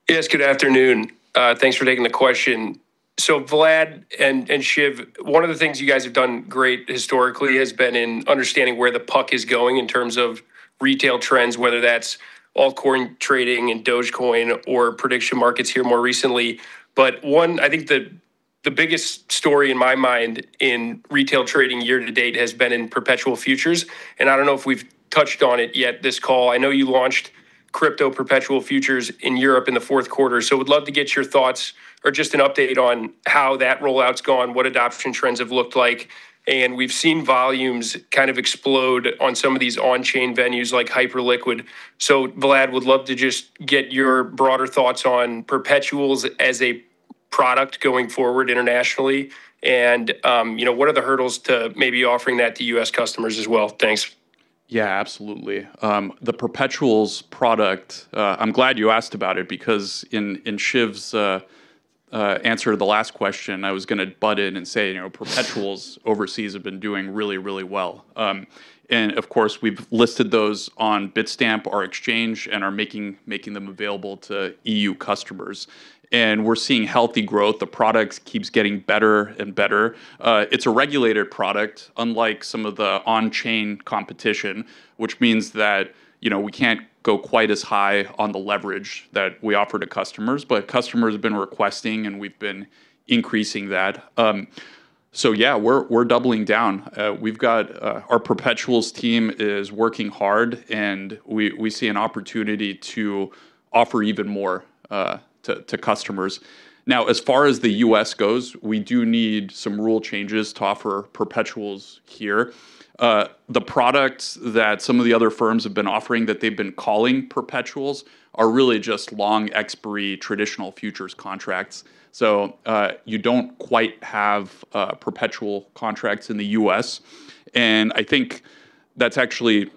Yes, good afternoon. Thanks for taking the question. Vlad and Shiv, one of the things you guys have done great historically has been in understanding where the puck is going in terms of retail trends, whether that's altcoin trading and Dogecoin or prediction markets here more recently. One, I think the biggest story in my mind in retail trading year-to-date has been in perpetual futures, and I don't know if we've touched on it yet this call. I know you launched crypto perpetual futures in Europe in the fourth quarter, so would love to get your thoughts or just an update on how that rollout's gone, what adoption trends have looked like. We've seen volumes kind of explode on some of these on-chain venues like Hyperliquid. Vlad, would love to just get your broader thoughts on perpetuals as a product going forward internationally and, you know, what are the hurdles to maybe offering that to U.S. customers as well? Thanks. Yeah, absolutely. The perpetuals product, I'm glad you asked about it because in Shiv's answer the last question, I was going to butt in and say, you know, perpetuals overseas have been doing really, really well. Of course, we've listed those on Bitstamp, our exchange, and are making them available to EU customers. We're seeing healthy growth. The product keeps getting better and better. It's a regulated product, unlike some of the on-chain competition, which means that, you know, we can't go quite as high on the leverage that we offer to customers. Customers have been requesting, and we've been increasing that. Yeah, we're doubling down. We've got our perpetuals team is working hard, and we see an opportunity to offer even more to customers. As far as the U.S. goes, we do need some rule changes to offer perpetuals here. The products that some of the other firms have been offering that they've been calling perpetuals are really just long expiry traditional futures contracts. You don't quite have perpetual contracts in the U.S., and I think that's actually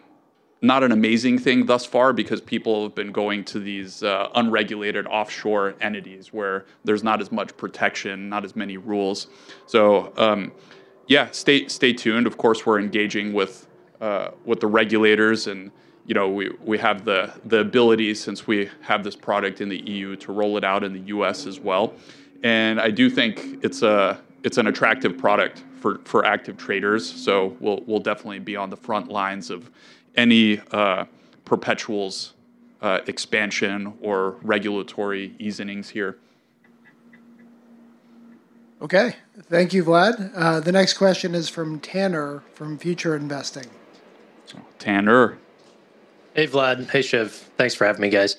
not an amazing thing thus far because people have been going to these unregulated offshore entities where there's not as much protection, not as many rules. Yeah, stay tuned. Of course, we're engaging with the regulators and, you know, we have the ability since we have this product in the EU to roll it out in the U.S. as well. I do think it's an attractive product for active traders, so we'll definitely be on the front lines of any perpetuals expansion or regulatory easenings here. Okay. Thank you, Vlad. The next question is from Tannor from Future Investing. Tannor. Hey, Vlad. Hey, Shiv. Thanks for having me, guys.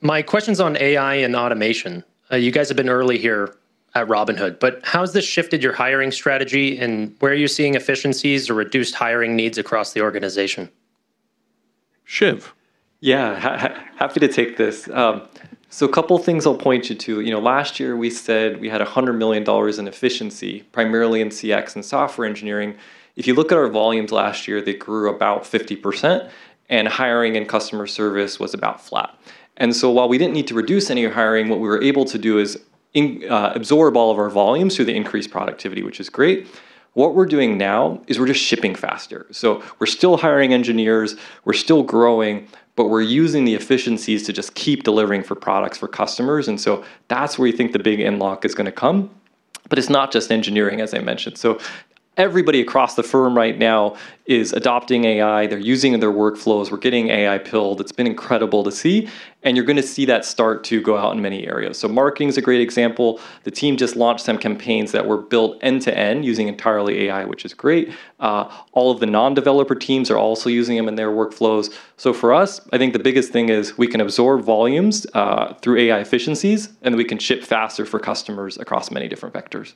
My question's on AI and automation. You guys have been early here at Robinhood, but how has this shifted your hiring strategy, and where are you seeing efficiencies or reduced hiring needs across the organization? Shiv? Yeah. Happy to take this. Couple things I'll point you to. You know, last year we said we had $100 million in efficiency, primarily in CX and software engineering. If you look at our volumes last year, they grew about 50%, and hiring and customer service was about flat. While we didn't need to reduce any of hiring, what we were able to do is absorb all of our volumes through the increased productivity, which is great. What we're doing now is we're just shipping faster. We're still hiring engineers, we're still growing, but we're using the efficiencies to just keep delivering for products for customers. That's where you think the big end lock is gonna come, but it's not just engineering, as I mentioned. Everybody across the firm right now is adopting AI, they're using it in their workflows. We're getting AI pilled. It's been incredible to see, and you're gonna see that start to go out in many areas. Marketing's a great example. The team just launched some campaigns that were built end to end using entirely AI, which is great. All of the non-developer teams are also using them in their workflows. For us, I think the biggest thing is we can absorb volumes through AI efficiencies, and we can ship faster for customers across many different vectors.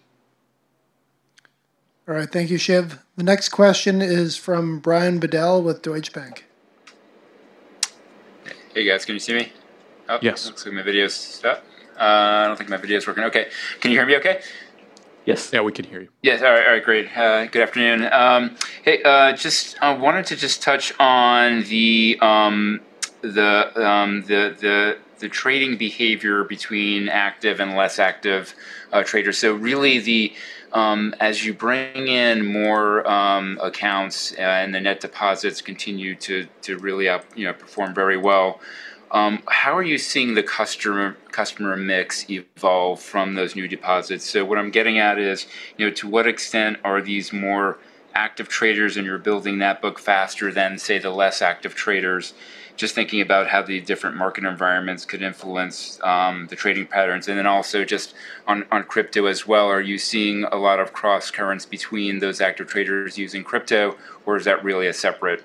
All right. Thank you, Shiv. The next question is from Brian Bedell with Deutsche Bank. Hey guys, can you see me? Oh. Yes. Looks like my video's stuck. I don't think my video's working. Okay. Can you hear me okay? Yes. Yeah, we can hear you. Yes. All right, all right, great. Good afternoon. Hey, just wanted to touch on the trading behavior between active and less active traders. Really, as you bring in more accounts, and the net deposits continue to really up, you know, perform very well, how are you seeing the customer mix evolve from those new deposits? What I'm getting at is, you know, to what extent are these more active traders and you're building that book faster than, say, the less active traders? Just thinking about how the different market environments could influence the trading patterns. Then also just on crypto as well, are you seeing a lot of cross currents between those active traders using crypto, or is that really a separate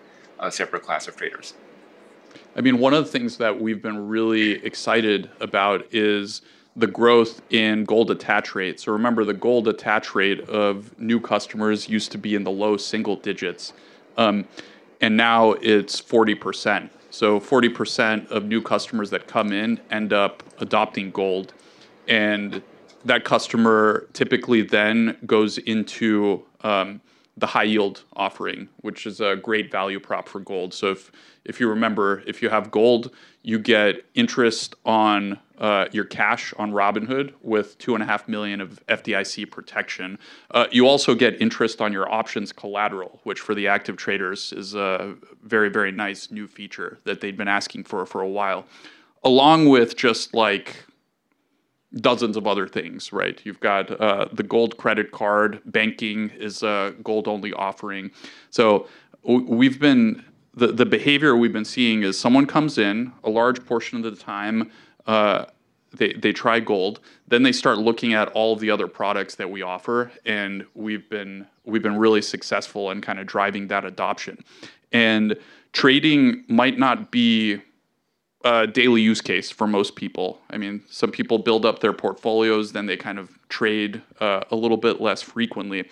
class of traders? I mean, one of the things that we've been really excited about is the growth in Gold attach rates. Remember, the Gold attach rate of new customers used to be in the low single digits, and now it's 40%. 40% of new customers that come in end up adopting Gold, and that customer typically then goes into the high yield offering, which is a great value prop for Gold. If you remember, if you have Gold, you get interest on your cash on Robinhood with $2.5 million of FDIC protection. You also get interest on your options collateral, which for the active traders is a very, very nice new feature that they'd been asking for for a while, along with just, like, dozens of other things, right? You've got the Gold Credit Card, banking is a Gold-only offering. The behavior we've been seeing is someone comes in, a large portion of the time, they try Gold, then they start looking at all the other products that we offer, and we've been really successful in kind of driving that adoption. Trading might not be a daily use case for most people. I mean, some people build up their portfolios, then they kind of trade a little bit less frequently.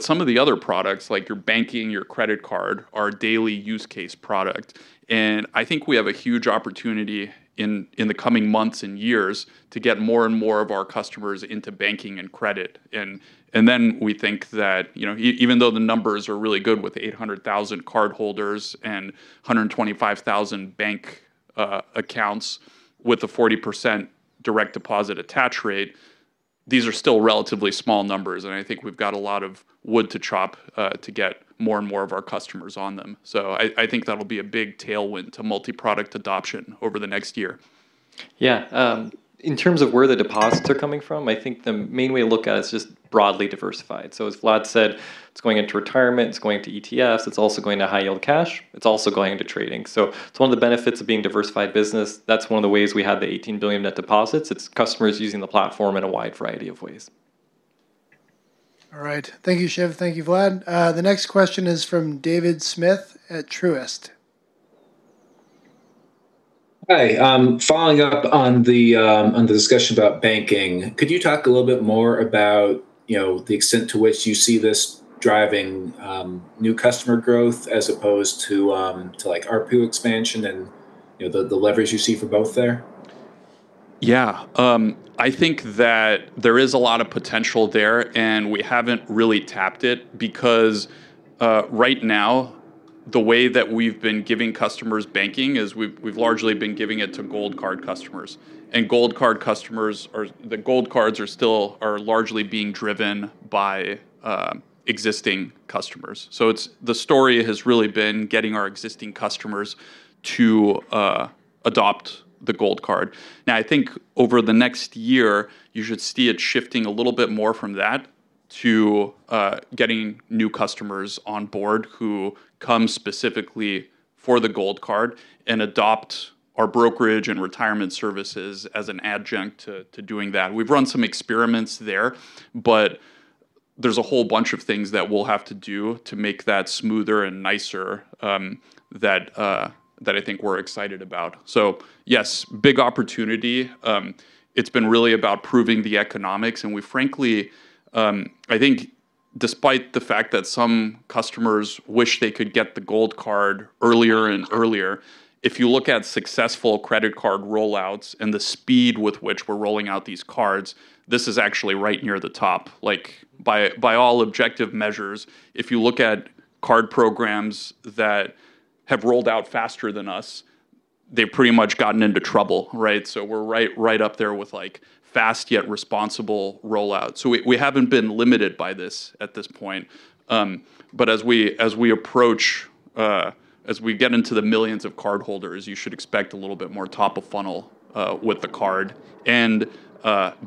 Some of the other products, like your banking, your credit card, are a daily use case product, and I think we have a huge opportunity in the coming months and years to get more and more of our customers into banking and credit. We think that, you know, even though the numbers are really good with 800,000 cardholders and 125,000 bank accounts with a 40% direct deposit attach rate. These are still relatively small numbers, and I think we've got a lot of wood to chop to get more and more of our customers on them. I think that'll be a big tailwind to multi-product adoption over the next year. Yeah. In terms of where the deposits are coming from, I think the main way to look at it is just broadly diversified. As Vlad said, it's going into retirement, it's going to ETFs, it's also going to high-yield cash, it's also going into trading. It's one of the benefits of being diversified business. That's one of the ways we have the $18 billion net deposits. It's customers using the platform in a wide variety of ways. All right. Thank you, Shiv. Thank you, Vlad. The next question is from David Smith at Truist. Hi. Following up on the, on the discussion about banking, could you talk a little bit more about, you know, the extent to which you see this driving, new customer growth as opposed to, like, ARPU expansion and, you know, the leverage you see for both there? Yeah. I think that there is a lot of potential there, and we haven't really tapped it because right now the way that we've been giving customers banking is we've largely been giving it to Gold Card customers. The Gold Cards are still largely being driven by existing customers. The story has really been getting our existing customers to adopt the Gold Card. I think over the next year you should see it shifting a little bit more from that to getting new customers on board who come specifically for the Gold Card and adopt our brokerage and retirement services as an adjunct to doing that. We've run some experiments there's a whole bunch of things that we'll have to do to make that smoother and nicer, that I think we're excited about. Yes, big opportunity. It's been really about proving the economics, we frankly, I think despite the fact that some customers wish they could get the Gold Card earlier and earlier, if you look at successful credit card rollouts and the speed with which we're rolling out these cards, this is actually right near the top. Like, by all objective measures, if you look at card programs that have rolled out faster than us, they've pretty much gotten into trouble, right? We're right up there with, like, fast yet responsible rollouts. We haven't been limited by this at this point. As we approach, as we get into the millions of cardholders, you should expect a little bit more top of funnel with the card and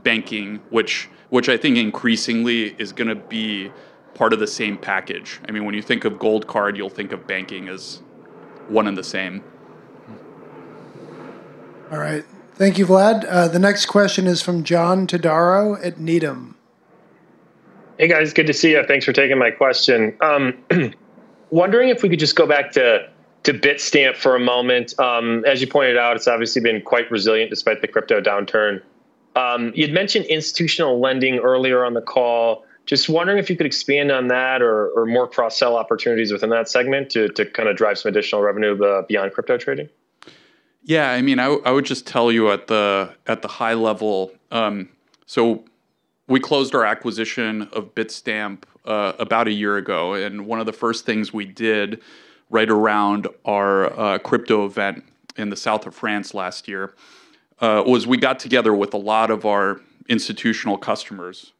banking, which I think increasingly is gonna be part of the same package. I mean, when you think of Gold Card, you'll think of banking as one and the same. All right. Thank you, Vlad. The next question is from John Todaro at Needham. Hey, guys. Good to see you. Thanks for taking my question. Wondering if we could just go back to Bitstamp for a moment. As you pointed out, it's obviously been quite resilient despite the crypto downturn. You'd mentioned institutional lending earlier on the call. Just wondering if you could expand on that or more cross-sell opportunities within that segment to kind of drive some additional revenue beyond crypto trading? Yeah, I mean, I would just tell you at the high level. We closed our acquisition of Bitstamp about a year ago. One of the first things we did right around our crypto event in the South of France last year was we got together with a lot of our institutional customers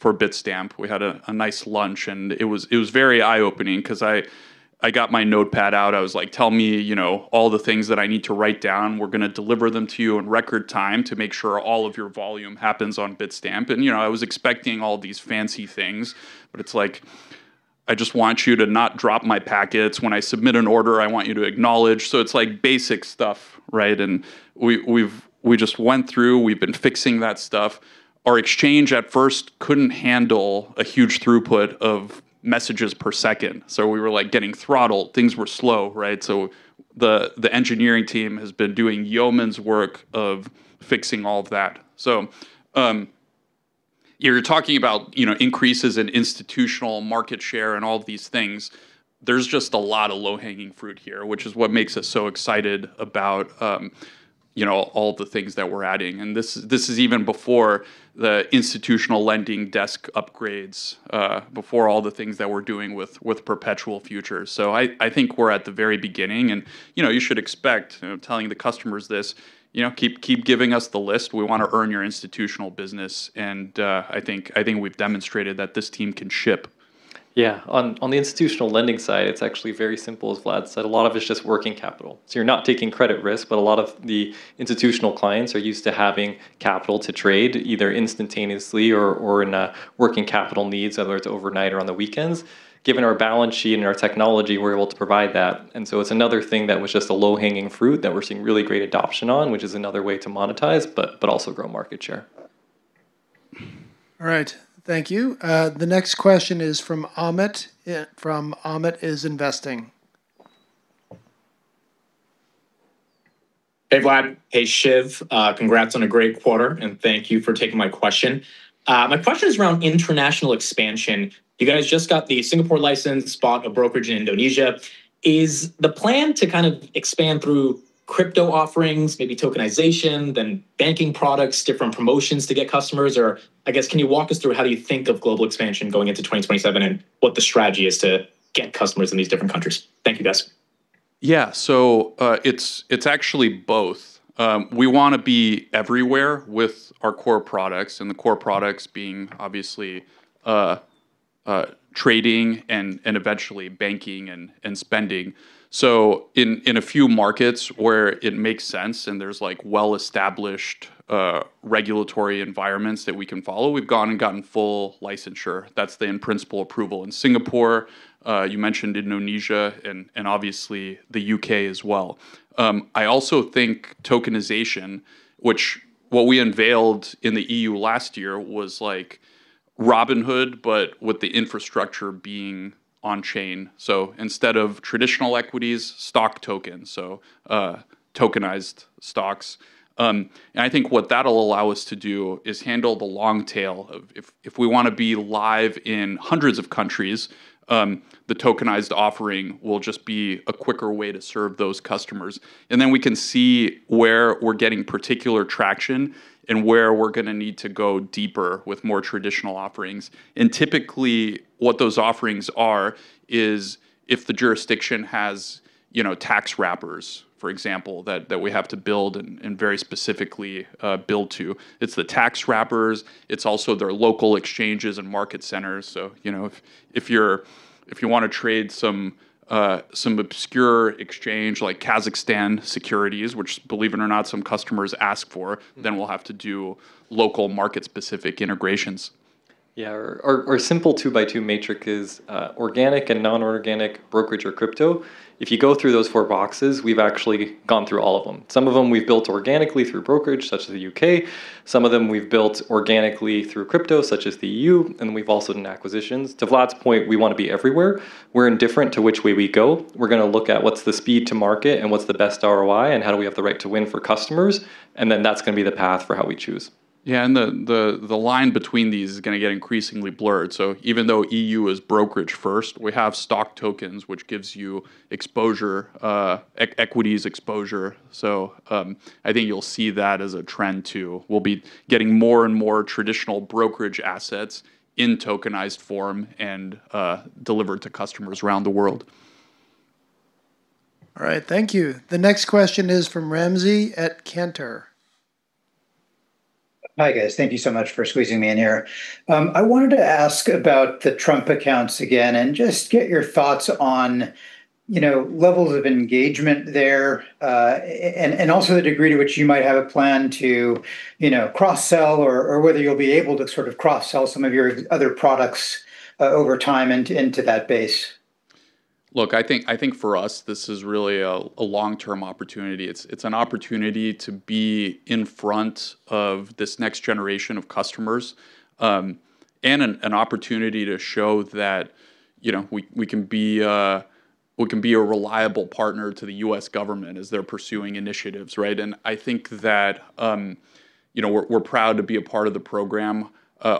for Bitstamp. We had a nice lunch, and it was very eye-opening 'cause I got my notepad out. I was like, "Tell me, you know, all the things that I need to write down. We're gonna deliver them to you in record time to make sure all of your volume happens on Bitstamp." You know, I was expecting all these fancy things, but it's like, "I just want you to not drop my packets. When I submit an order, I want you to acknowledge. It's, like, basic stuff, right? We just went through. We've been fixing that stuff. Our exchange at first couldn't handle a huge throughput of messages per second, we were, like, getting throttled. Things were slow, right? The engineering team has been doing yeoman's work of fixing all of that. You're talking about, you know, increases in institutional market share and all of these things. There's just a lot of low-hanging fruit here, which is what makes us so excited about, you know, all the things that we're adding. This is even before the institutional lending desk upgrades, before all the things that we're doing with perpetual futures. I think we're at the very beginning and, you know, you should expect, you know, telling the customers this, you know, "Keep giving us the list. We wanna earn your institutional business." I think we've demonstrated that this team can ship. Yeah. On the institutional lending side, it's actually very simple. As Vlad said, a lot of it's just working capital. You're not taking credit risk, a lot of the institutional clients are used to having capital to trade either instantaneously or in a working capital needs, whether it's overnight or on the weekends. Given our balance sheet and our technology, we're able to provide that. It's another thing that was just a low-hanging fruit that we're seeing really great adoption on, which is another way to monetize but also grow market share. All right. Thank you. The next question is from Amit from Amit Is Investing. Hey, Vlad. Hey, Shiv. Congrats on a great quarter, thank you for taking my question. My question is around international expansion. You guys just got the Singapore license, bought a brokerage in Indonesia. Is the plan to kind of expand through crypto offerings, maybe tokenization, then banking products, different promotions to get customers? I guess can you walk us through how you think of global expansion going into 2027 and what the strategy is to get customers in these different countries? Thank you, guys. Yeah. It's actually both. We want to be everywhere with our core products, and the core products being obviously trading and eventually banking and spending. In a few markets where it makes sense and there's, like, well-established regulatory environments that we can follow, we've gone and gotten full licensure. That's the in-principle approval in Singapore, you mentioned Indonesia, and obviously the U.K. as well. I also think tokenization, which what we unveiled in the EU last year was like Robinhood, but with the infrastructure being on chain. Instead of traditional equities, Stock Tokens, tokenized stocks. I think what that will allow us to do is handle the long tail of if we wanna be live in hundreds of countries, the tokenized offering will just be a quicker way to serve those customers. Then we can see where we're getting particular traction and where we're gonna need to go deeper with more traditional offerings. Typically, what those offerings are is if the jurisdiction has, you know, tax wrappers, for example, that we have to build and very specifically build to. It's the tax wrappers. It's also their local exchanges and market centers. You know, if you're, if you wanna trade some obscure exchange like Kazakhstan Securities, which believe it or not, some customers ask for. Mm-hmm We'll have to do local market specific integrations. Our simple two-by-two matrix is organic and non-organic brokerage or crypto. If you go through those four boxes, we've actually gone through all of them. Some of them we've built organically through brokerage, such as the U.K. Some of them we've built organically through crypto, such as the E.U., and we've also done acquisitions. To Vlad's point, we wanna be everywhere. We're indifferent to which way we go. We're gonna look at what's the speed to market and what's the best ROI and how do we have the right to win for customers, and then that's gonna be the path for how we choose. Yeah. The line between these is gonna get increasingly blurred. Even though EU is brokerage first, we have Stock Tokens, which gives you equities exposure. I think you'll see that as a trend too. We'll be getting more and more traditional brokerage assets in tokenized form and delivered to customers around the world. All right. Thank you. The next question is from Ramsey at Cantor. Hi, guys. Thank you so much for squeezing me in here. I wanted to ask about the Trump Accounts again and just get your thoughts on, you know, levels of engagement there, and also the degree to which you might have a plan to, you know, cross-sell or whether you'll be able to sort of cross-sell some of your other products over time into that base. I think for us, this is really a long-term opportunity. It's an opportunity to be in front of this next generation of customers, and an opportunity to show that, you know, we can be a reliable partner to the U.S. government as they're pursuing initiatives, right? I think that, you know, we're proud to be a part of the program.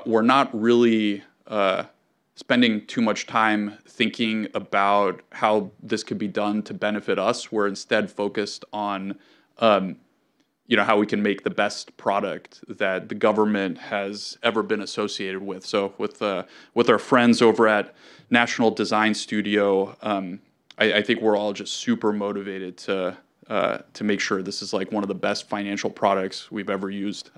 We're not really spending too much time thinking about how this could be done to benefit us. We're instead focused on, you know, how we can make the best product that the government has ever been associated with. With our friends over at National Design Studio, I think we're all just super motivated to make sure this is, like, one of the best financial products we've ever used.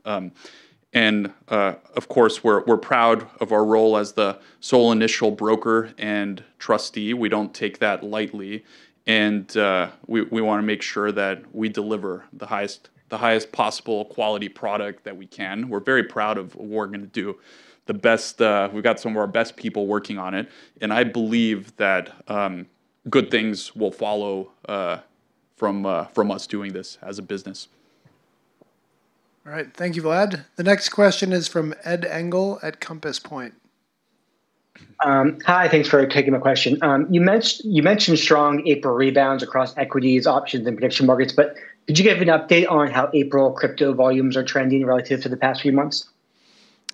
Of course, we're proud of our role as the sole initial broker and trustee. We don't take that lightly. We wanna make sure that we deliver the highest possible quality product that we can. We're very proud of what we're gonna do, the best. We've got some of our best people working on it. I believe that good things will follow from us doing this as a business. All right. Thank you, Vlad. The next question is from Ed Engel at Compass Point. Hi. Thanks for taking my question. You mentioned strong April rebounds across equities, options, and prediction markets. Did you give an update on how April crypto volumes are trending relative to the past few months?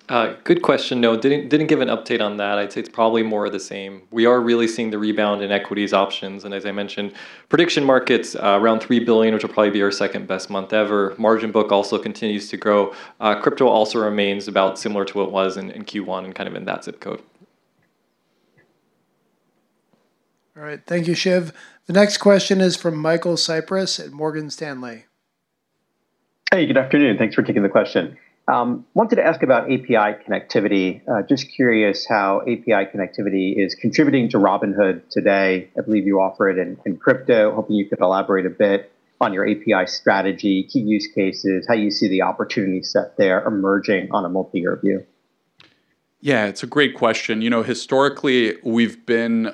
Good question. No, didn't give an update on that. I'd say it's probably more of the same. We are really seeing the rebound in equities options, and as I mentioned, prediction markets, around $3 billion, which will probably be our second-best month ever. Margin book also continues to grow. Crypto also remains about similar to what it was in Q1 and kind of in that zip code. All right. Thank you, Shiv. The next question is from Michael Cyprys at Morgan Stanley. Hey, good afternoon. Thanks for taking the question. I wanted to ask about API connectivity. I am just curious how API connectivity is contributing to Robinhood today. I believe you offer it in crypto. I am hoping you could elaborate a bit on your API strategy, key use cases, how you see the opportunity set there emerging on a multi-year view. Yeah, it's a great question. You know, historically, we've been,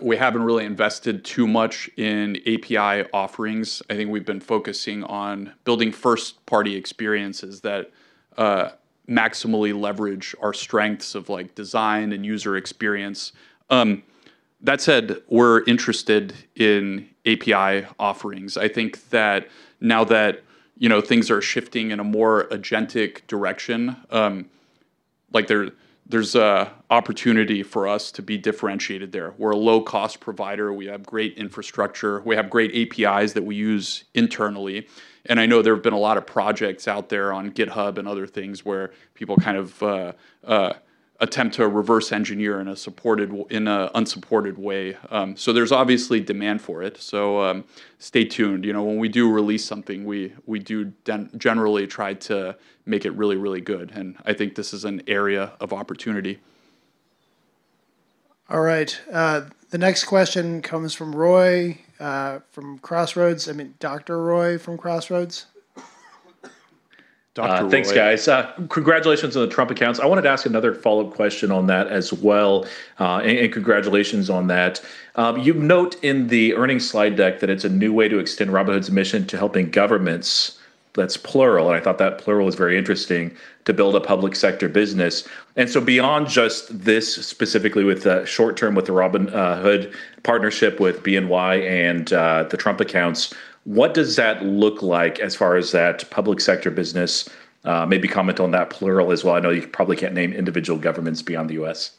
we haven't really invested too much in API offerings. I think we've been focusing on building first-party experiences that maximally leverage our strengths of, like, design and user experience. That said, we're interested in API offerings. I think that now that, you know, things are shifting in a more agentic direction, like, there's a opportunity for us to be differentiated there. We're a low-cost provider. We have great infrastructure. We have great APIs that we use internally, and I know there have been a lot of projects out there on GitHub and other things where people kind of, attempt to reverse engineer in a unsupported way. There's obviously demand for it. Stay tuned. You know, when we do release something, we do generally try to make it really, really good. I think this is an area of opportunity. All right. The next question comes from Roy, from Crossroads. I mean, Dr. Roy from Crossroads. Dr. Roy. Thanks, guys. Congratulations on the Trump Accounts. I wanted to ask another follow-up question on that as well. And congratulations on that. You note in the earnings slide deck that it's a new way to extend Robinhood's mission to helping governments, that's plural, and I thought that plural was very interesting, to build a public sector business. Beyond just this specifically with short-term with the Robinhood partnership with BNY and the Trump Accounts, what does that look like as far as that public sector business? Maybe comment on that plural as well. I know you probably can't name individual governments beyond the U.S.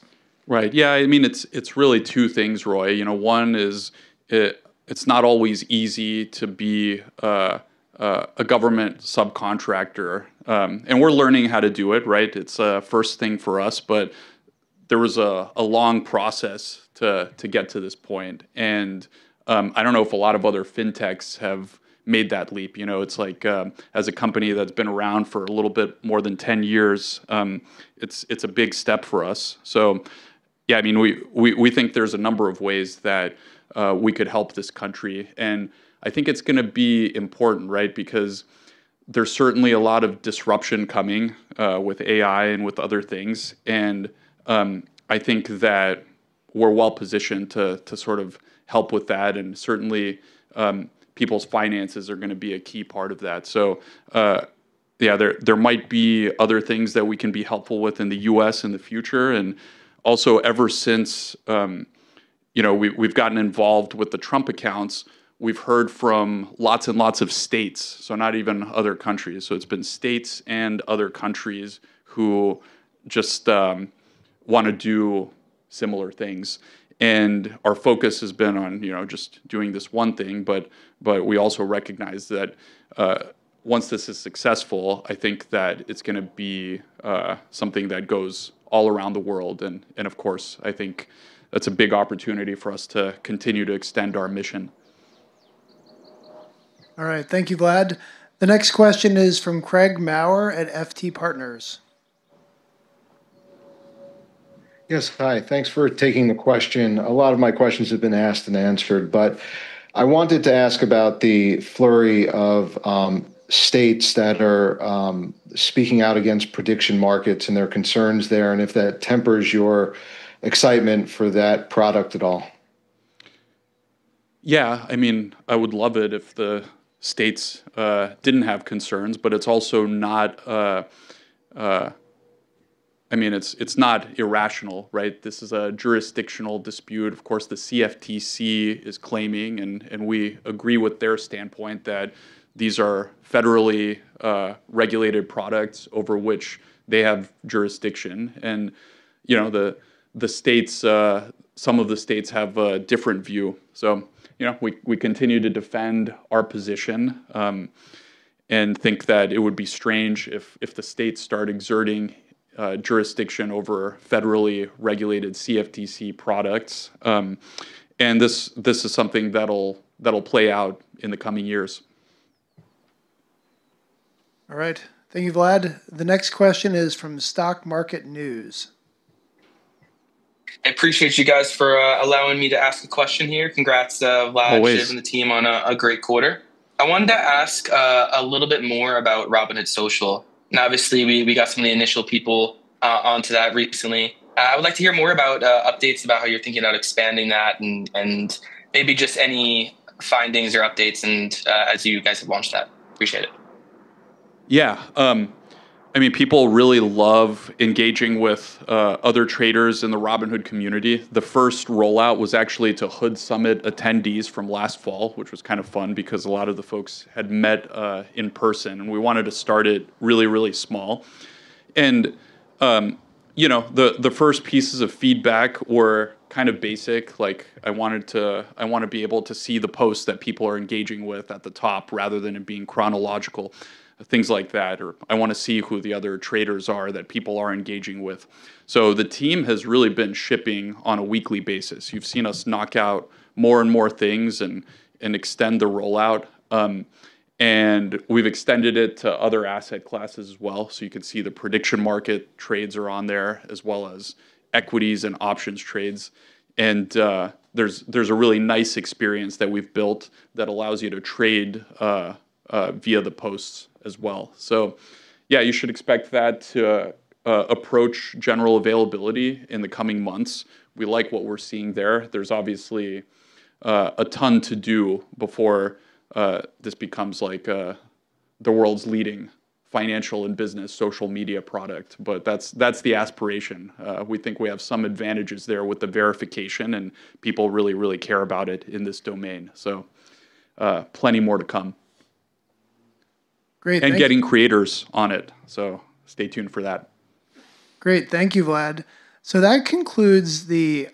Right. I mean, it's really two things, Roy. You know, one is it's not always easy to be a government subcontractor. We're learning how to do it, right? It's a first thing for us. There was a long process to get to this point, and I don't know if a lot of other fintechs have made that leap. You know, it's like, as a company that's been around for a little bit more than 10 years, it's a big step for us. I mean, we think there's a number of ways that we could help this country, and I think it's gonna be important, right? There's certainly a lot of disruption coming, with AI and with other things, and, I think that we're well positioned to sort of help with that, and certainly, people's finances are gonna be a key part of that. Yeah, there might be other things that we can be helpful with in the U.S. in the future and also ever since, you know, we've gotten involved with the Trump Accounts, we've heard from lots and lots of states, not even other countries. It's been states and other countries who just wanna do similar things, and our focus has been on just doing this one thing, but we also recognize that once this is successful, I think that it's gonna be something that goes all around the world and of course, I think that's a big opportunity for us to continue to extend our mission. All right. Thank you, Vlad. The next question is from Craig Maurer at FT Partners. Yes. Hi. Thanks for taking the question. A lot of my questions have been asked and answered. I wanted to ask about the flurry of states that are speaking out against prediction markets and their concerns there, and if that tempers your excitement for that product at all. Yeah, I mean, I would love it if the states didn't have concerns, but it's also not irrational, right? This is a jurisdictional dispute. Of course, the CFTC is claiming, and we agree with their standpoint that these are federally regulated products over which they have jurisdiction and the states, some of the states have a different view. We continue to defend our position and think that it would be strange if the states start exerting jurisdiction over federally regulated CFTC products. This is something that'll play out in the coming years. All right. Thank you, Vlad. The next question is from Stock Market News. I appreciate you guys for allowing me to ask a question here. Congrats, Vlad. Always. Shiv, and the team on a great quarter. I wanted to ask a little bit more about Robinhood Social. Obviously we got some of the initial people onto that recently. I would like to hear more about updates about how you're thinking about expanding that and maybe just any findings or updates and as you guys have launched that. Appreciate it. Yeah. I mean, people really love engaging with other traders in the Robinhood community. The first rollout was actually to HOOD Summit attendees from last fall, which was kind of fun because a lot of the folks had met in person and we wanted to start it really, really small. You know, the first pieces of feedback were kind of basic, like I wanted to, I wanna be able to see the posts that people are engaging with at the top rather than it being chronological, things like that, or I wanna see who the other traders are that people are engaging with. The team has really been shipping on a weekly basis. You've seen us knock out more and more things and extend the rollout. We've extended it to other asset classes as well, so you can see the prediction market trades are on there, as well as equities and options trades. There's a really nice experience that we've built that allows you to trade via the posts as well. Yeah, you should expect that to approach general availability in the coming months. We like what we're seeing there. There's obviously a ton to do before this becomes like the world's leading financial and business social media product, but that's the aspiration. We think we have some advantages there with the verification, and people really, really care about it in this domain, so plenty more to come. Great. Getting creators on it, so stay tuned for that. Great. Thank you, Vlad. That concludes the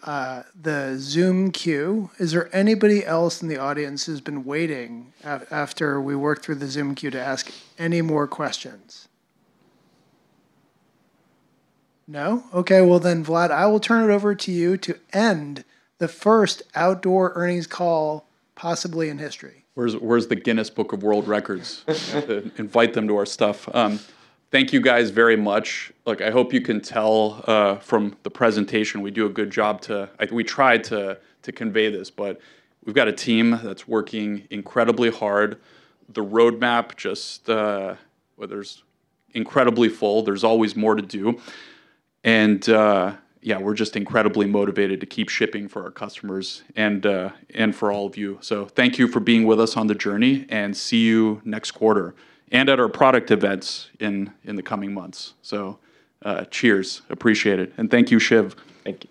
Zoom queue. Is there anybody else in the audience who's been waiting after we worked through the Zoom queue to ask any more questions? No? Okay. Vlad, I will turn it over to you to end the first outdoor earnings call possibly in history. Where's the Guinness World Records? Invite them to our stuff. Thank you guys very much. Look, I hope you can tell from the presentation we do a good job. Like, we try to convey this, but we've got a team that's working incredibly hard. The roadmap just, well, there's incredibly full. There's always more to do. Yeah, we're just incredibly motivated to keep shipping for our customers and for all of you. Thank you for being with us on the journey and see you next quarter and at our product events in the coming months. Cheers. Appreciate it. Thank you, Shiv. Thank you.